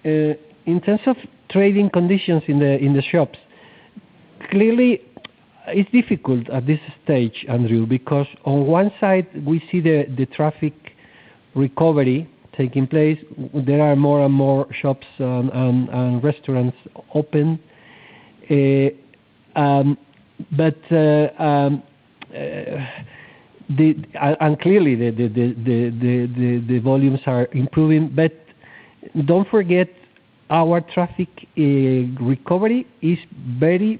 S3: In terms of trading conditions in the shops, clearly, it's difficult at this stage, Andrew, because on one side, we see the traffic recovery taking place. There are more and more shops and restaurants open. Clearly, the volumes are improving. Don't forget, our traffic recovery is very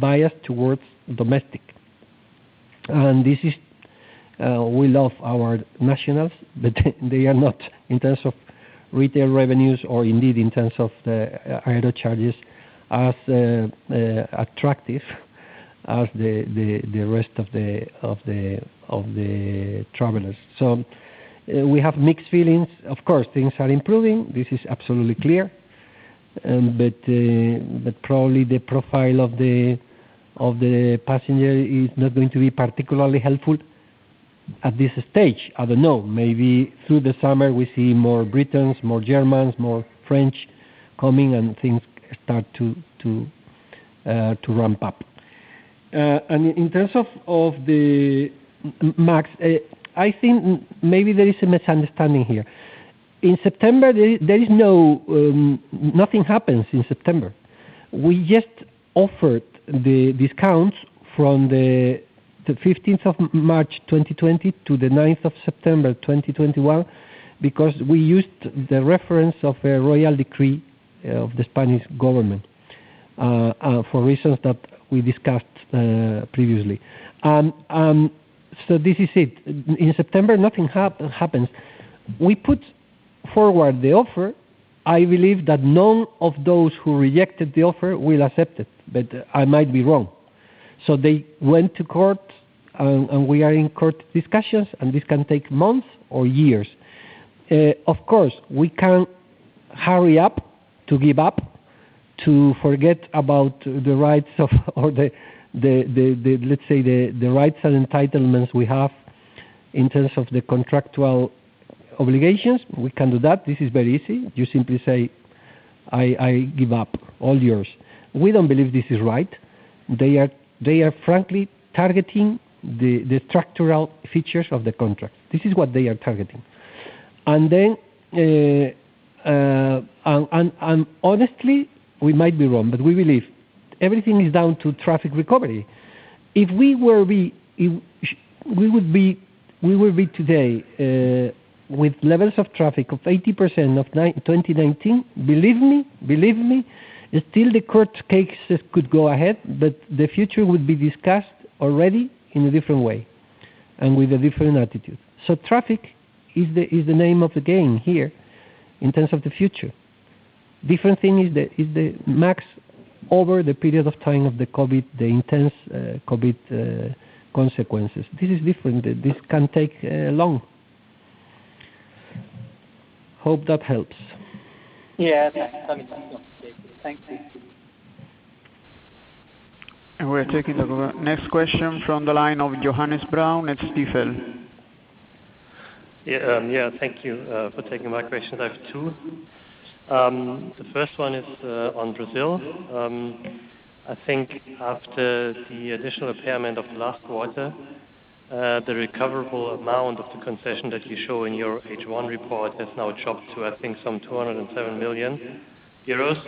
S3: biased towards domestic. We love our nationals, but they are not, in terms of retail revenues or indeed in terms of the aero charges, as attractive as the rest of the travelers. We have mixed feelings. Of course, things are improving. This is absolutely clear. Probably the profile of the passenger is not going to be particularly helpful. At this stage, I don't know. Maybe through the summer we see more Britons, more Germans, more French coming and things start to ramp up. In terms of the MAG, I think maybe there is a misunderstanding here. In September, nothing happens in September. We just offered the discounts from the 15th of March 2020 to the 9th of September 2021, because we used the reference of a royal decree of the Spanish government for reasons that we discussed previously. This is it. In September, nothing happens. We put forward the offer. I believe that none of those who rejected the offer will accept it, but I might be wrong. They went to court, and we are in court discussions, and this can take months or years. Of course, we can hurry up to give up, to forget about the rights of, or let's say, the rights and entitlements we have in terms of the contractual obligations. We can do that. This is very easy. You simply say, "I give up. All yours." We don't believe this is right. They are frankly targeting the structural features of the contract. This is what they are targeting. Honestly, we might be wrong, but we believe everything is down to traffic recovery. If we were to be today with levels of traffic of 80% of 2019, believe me, still the court cases could go ahead, but the future would be discussed already in a different way and with a different attitude. Traffic is the name of the game here in terms of the future. Different thing is the MAG over the period of time of the intense COVID consequences. This is different. This can take long. Hope that helps.
S9: Yeah. That's something. Thank you.
S4: We're taking the next question from the line of Johannes Braun at Stifel.
S10: Yeah. Thank you for taking my question. I have two. The first one is on Brazil. After the additional impairment of last quarter, the recoverable amount of the concession that you show in your H1 report has now dropped to some 207 million euros.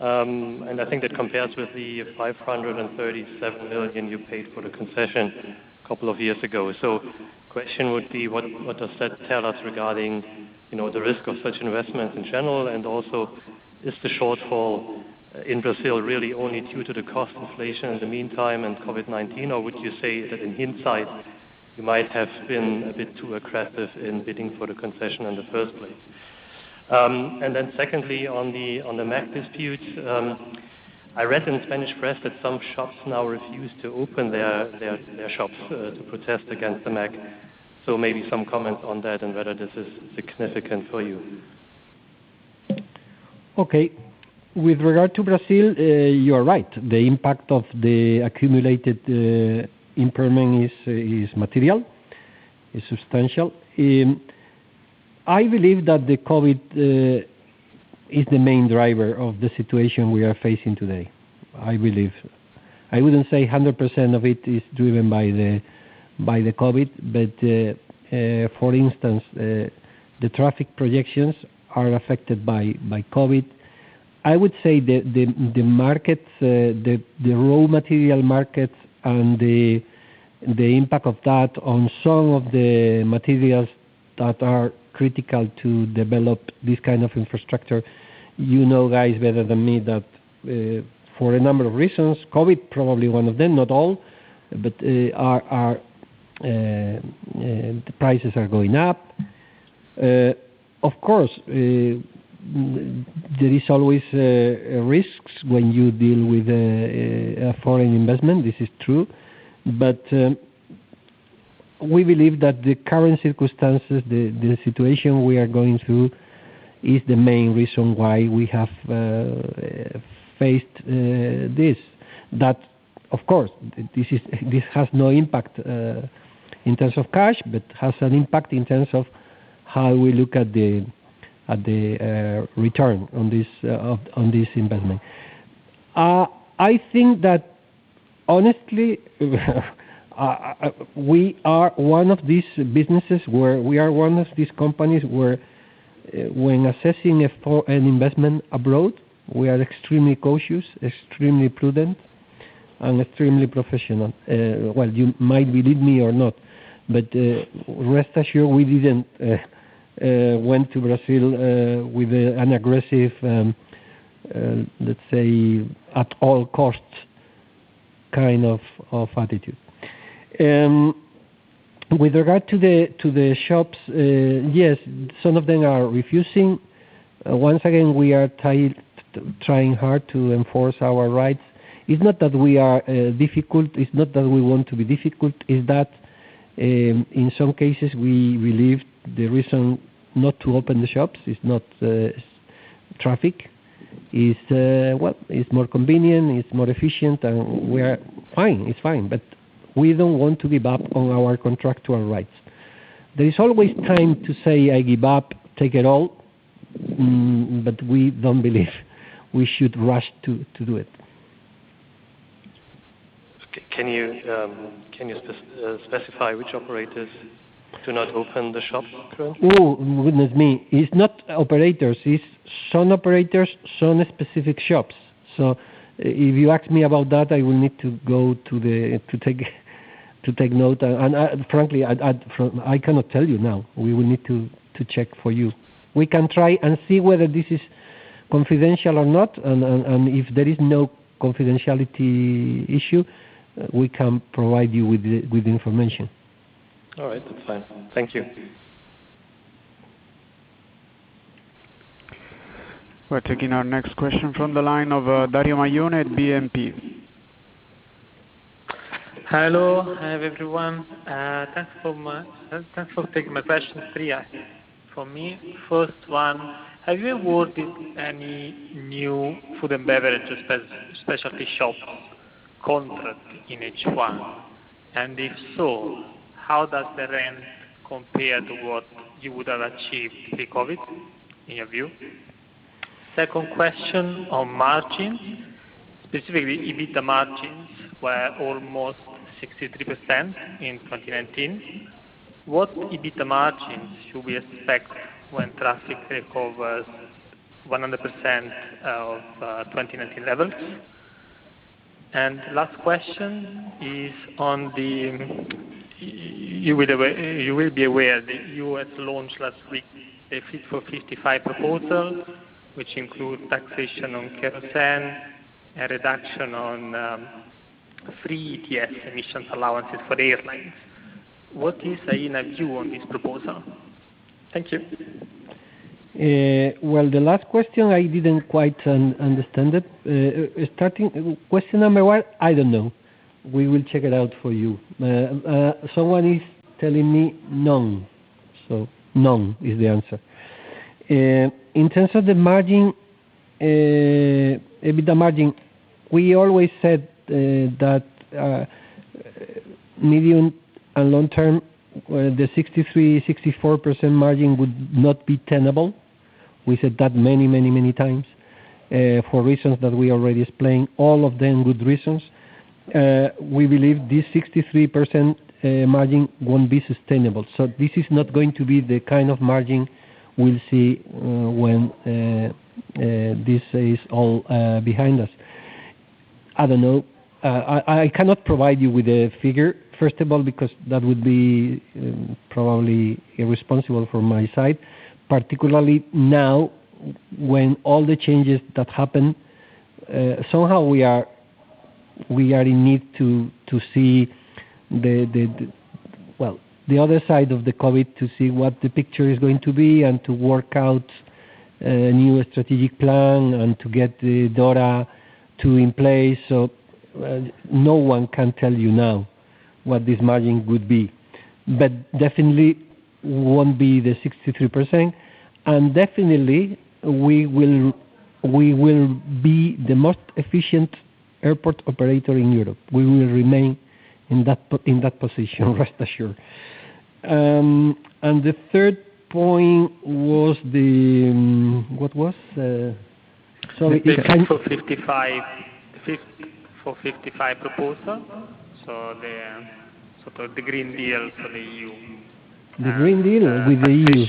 S10: That compares with the 537 million you paid for the concession a couple of years ago. The question would be, what does that tell us regarding the risk of such investment in general? Is the shortfall in Brazil really only due to the cost inflation in the meantime and COVID-19, or would you say that in hindsight, you might have been a bit too aggressive in bidding for the concession in the first place? Secondly, on the MAG dispute, I read in the Spanish press that some shops now refuse to open their shops to protest against the MAG. Maybe some comments on that and whether this is significant for you?
S3: Okay. With regard to Brazil, you are right. The impact of the accumulated impairment is material, is substantial. I believe that the COVID is the main driver of the situation we are facing today. I believe. I wouldn't say 100% of it is driven by the COVID, but for instance, the traffic projections are affected by COVID. I would say the raw material markets and the impact of that on some of the materials that are critical to develop this kind of infrastructure, you know, guys, better than me that for a number of reasons, COVID probably one of them, not all, but the prices are going up. Of course, there is always risks when you deal with a foreign investment. This is true. We believe that the current circumstances, the situation we are going through, is the main reason why we have faced this. Of course, this has no impact in terms of cash, but has an impact in terms of how we look at the return on this investment. I think that honestly, we are one of these companies where when assessing an investment abroad, we are extremely cautious, extremely prudent, and extremely professional. Well, you might believe me or not, rest assured we didn't went to Brazil with an aggressive, let's say, at all costs kind of attitude. With regard to the shops, yes, some of them are refusing. Once again, we are trying hard to enforce our rights. It's not that we are difficult, it's not that we want to be difficult. It's that in some cases, we believe the reason not to open the shops is not. Traffic is more convenient, it's more efficient, and we are fine. It's fine, but we don't want to give up on our contractual rights. There is always time to say, "I give up, take it all." We don't believe we should rush to do it.
S10: Can you specify which operators do not open the shop currently?
S3: Oh, goodness me. It's not operators. It's some operators, some specific shops. If you ask me about that, I will need to take note. Frankly, I cannot tell you now. We will need to check for you. We can try and see whether this is confidential or not, and if there is no confidentiality issue, we can provide you with the information.
S10: All right. That's fine. Thank you.
S4: We're taking our next question from the line of Dario Maglione at BNP.
S11: Hello. Hi, everyone. Thanks for taking my question. Three for me. First one, have you awarded any new food and beverage specialty shop contract in H1? If so, how does the rent compare to what you would have achieved pre-COVID, in your view? Second question on margins, specifically EBITDA margins were almost 63% in 2019. What EBITDA margins should we expect when traffic recovers 100% of 2019 levels? Last question is on the, you will be aware, the EU launched last week a Fit for 55 proposal, which includes taxation on kerosene, a reduction on free ETS emissions allowances for airlines. What is Aena's view on this proposal? Thank you.
S3: The last question, I didn't quite understand it. Starting question number one, I don't know. We will check it out for you. Someone is telling me none. None is the answer. In terms of the margin, EBITDA margin, we always said that medium and long term, the 63%-64% margin would not be tenable. We said that many times for reasons that we already explained, all of them good reasons. We believe this 63% margin won't be sustainable. This is not going to be the kind of margin we'll see when this is all behind us. I don't know. I cannot provide you with a figure, first of all, because that would be probably irresponsible from my side, particularly now when all the changes that happened, somehow we are in need to see the other side of the COVID to see what the picture is going to be and to work out a new strategic plan and to get the data in place. No one can tell you now what this margin would be. Definitely, it won't be the 63%, and definitely we will be the most efficient airport operator in Europe. We will remain in that position, rest assured. The third point was the. What was? Sorry.
S11: The Fit for 55 proposal. The Green Deal for the EU.
S3: The Green Deal with the EU.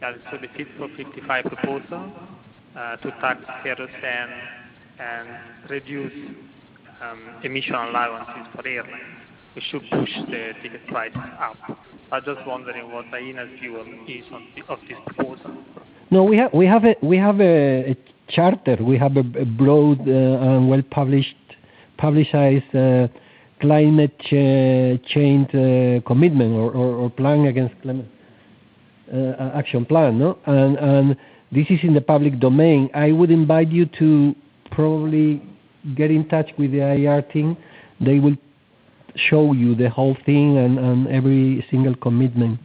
S11: The Fit for 55 proposal to tax kerosene and reduce emission allowances for airlines, which should push the ticket price up. I'm just wondering what Aena's view is of this proposal.
S3: No, we have a charter. We have a broad, well-publicized climate change commitment or action plan. This is in the public domain. I would invite you to probably get in touch with the IR team. They will show you the whole thing and every single commitment.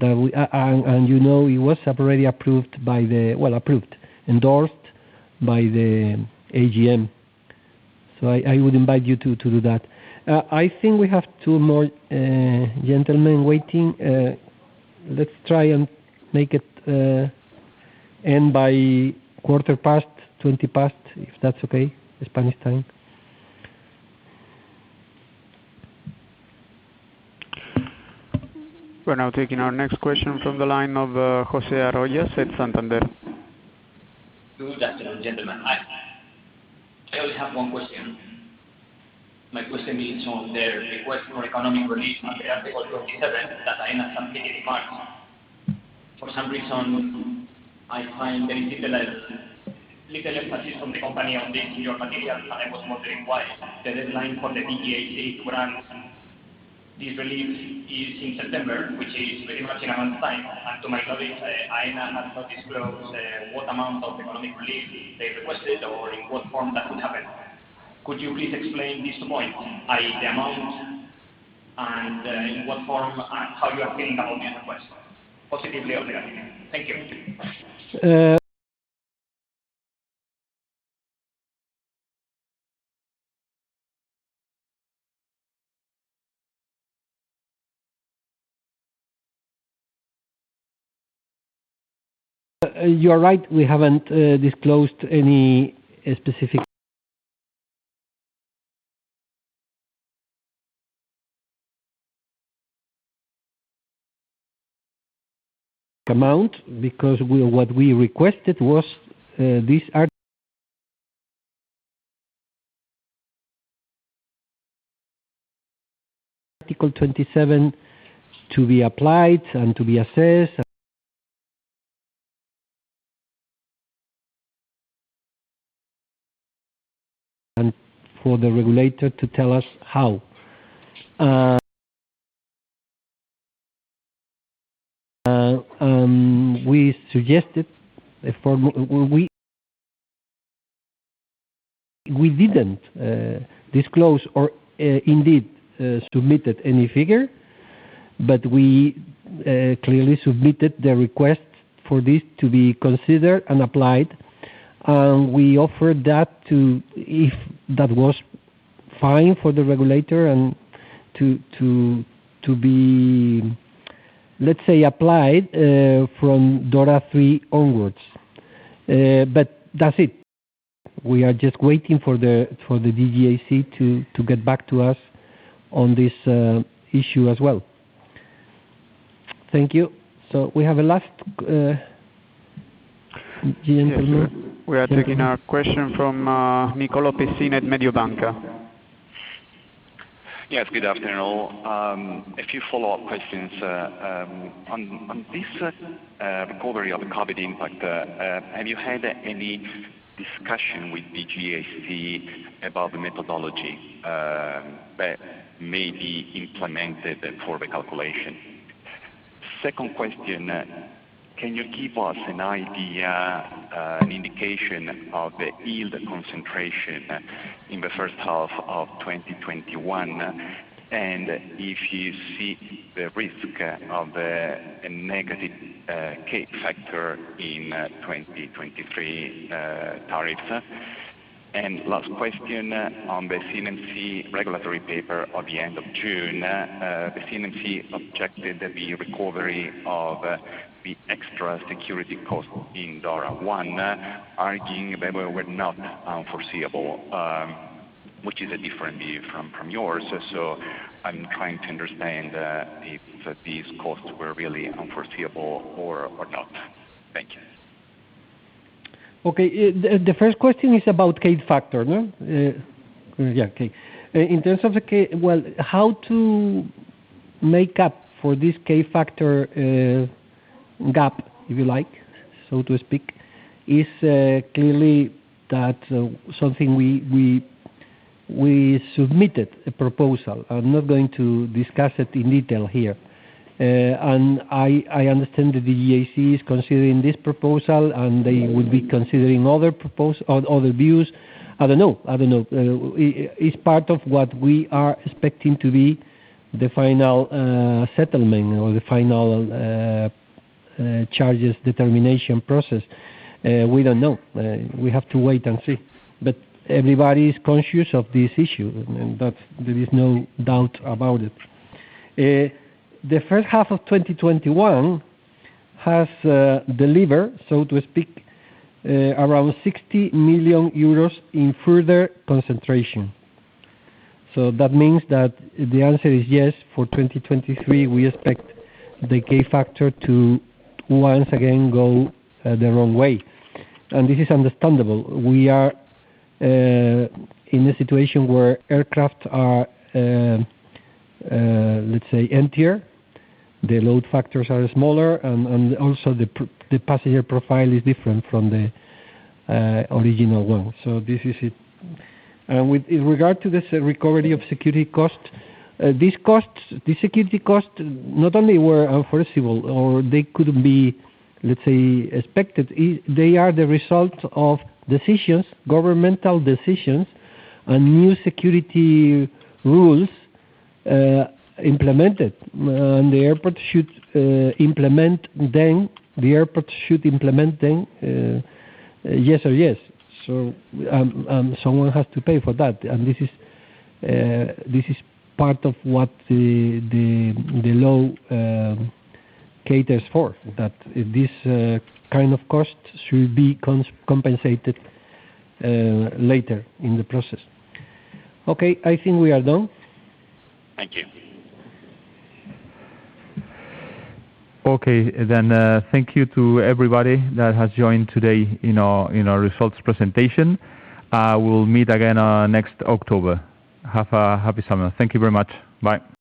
S3: You know it was already endorsed by the AGM. I would invite you to do that. I think we have two more gentlemen waiting. Let's try and make it end by quarter past, 20 past, if that's okay, Spanish time.
S4: We're now taking our next question from the line of José Arroyas at Santander.
S12: Good afternoon, gentlemen. I only have one question. My question is on the request for economic relief under Article 27 that Aena submitted in March. For some reason, I find very little emphasis from the company on this in your material, and I was wondering why. The deadline for the DGAC to grant this relief is in September, which is very much in a month time. To my knowledge, Aena has not disclosed what amount of economic relief they requested or in what form that would happen. Could you please explain these two points, i.e., the amount and in what form and how you are feeling about that request, positively or negatively? Thank you.
S3: You're right, we haven't disclosed any specific amount because what we requested was this Article 27 to be applied and to be assessed, and for the regulator to tell us how. We suggested a formula where we didn't disclose or indeed submit any figure, but we clearly submitted the request for this to be considered and applied. We offered that if that was fine for the regulator and to be, let's say, applied from DORA 3 onwards. That's it. We are just waiting for the DGAC to get back to us on this issue as well. Thank you. We have a last question.
S1: Yes. We are taking a question from Nicolo Pessina at Mediobanca.
S13: Yes, good afternoon all. A few follow-up questions. On this recovery of the COVID impact, have you had any discussion with DGAC about the methodology that may be implemented for the calculation? Second question, can you give us an idea, an indication of the yield concentration in the first half of 2021, and if you see the risk of a negative K factor in 2023 tariffs? Last question, on the CNMC regulatory paper at the end of June, the CNMC objected the recovery of the extra security cost in DORA I, arguing that they were not unforeseeable, which is a different view from yours. I'm trying to understand if these costs were really unforeseeable or not. Thank you.
S3: Okay. The first question is about K factor, no? Yeah, K. In terms of the K, well, how to make up for this K factor gap, if you like, so to speak, is clearly something we submitted a proposal. I am not going to discuss it in detail here. I understand the DGAC is considering this proposal, and they will be considering other views. I don't know. It is part of what we are expecting to be the final settlement or the final charges determination process. We don't know. We have to wait and see. Everybody is conscious of this issue, and there is no doubt about it. The first half of 2021 has delivered, so to speak, around 60 million euros in further concentration. That means that the answer is yes. For 2023, we expect the K factor to once again go the wrong way. This is understandable. We are in a situation where aircraft are, let's say, emptier. The load factors are smaller, the passenger profile is different from the original one. This is it. With regard to this recovery of security cost, these security costs not only were unforeseeable or they could be, let's say, expected, they are the result of decisions, governmental decisions, and new security rules implemented. The airport should implement them. Yes or yes. Someone has to pay for that. This is part of what the law caters for, that this kind of cost should be compensated later in the process. Okay, I think we are done.
S13: Thank you.
S1: Okay. Thank you to everybody that has joined today in our results presentation. We'll meet again next October. Have a happy summer. Thank you very much. Bye.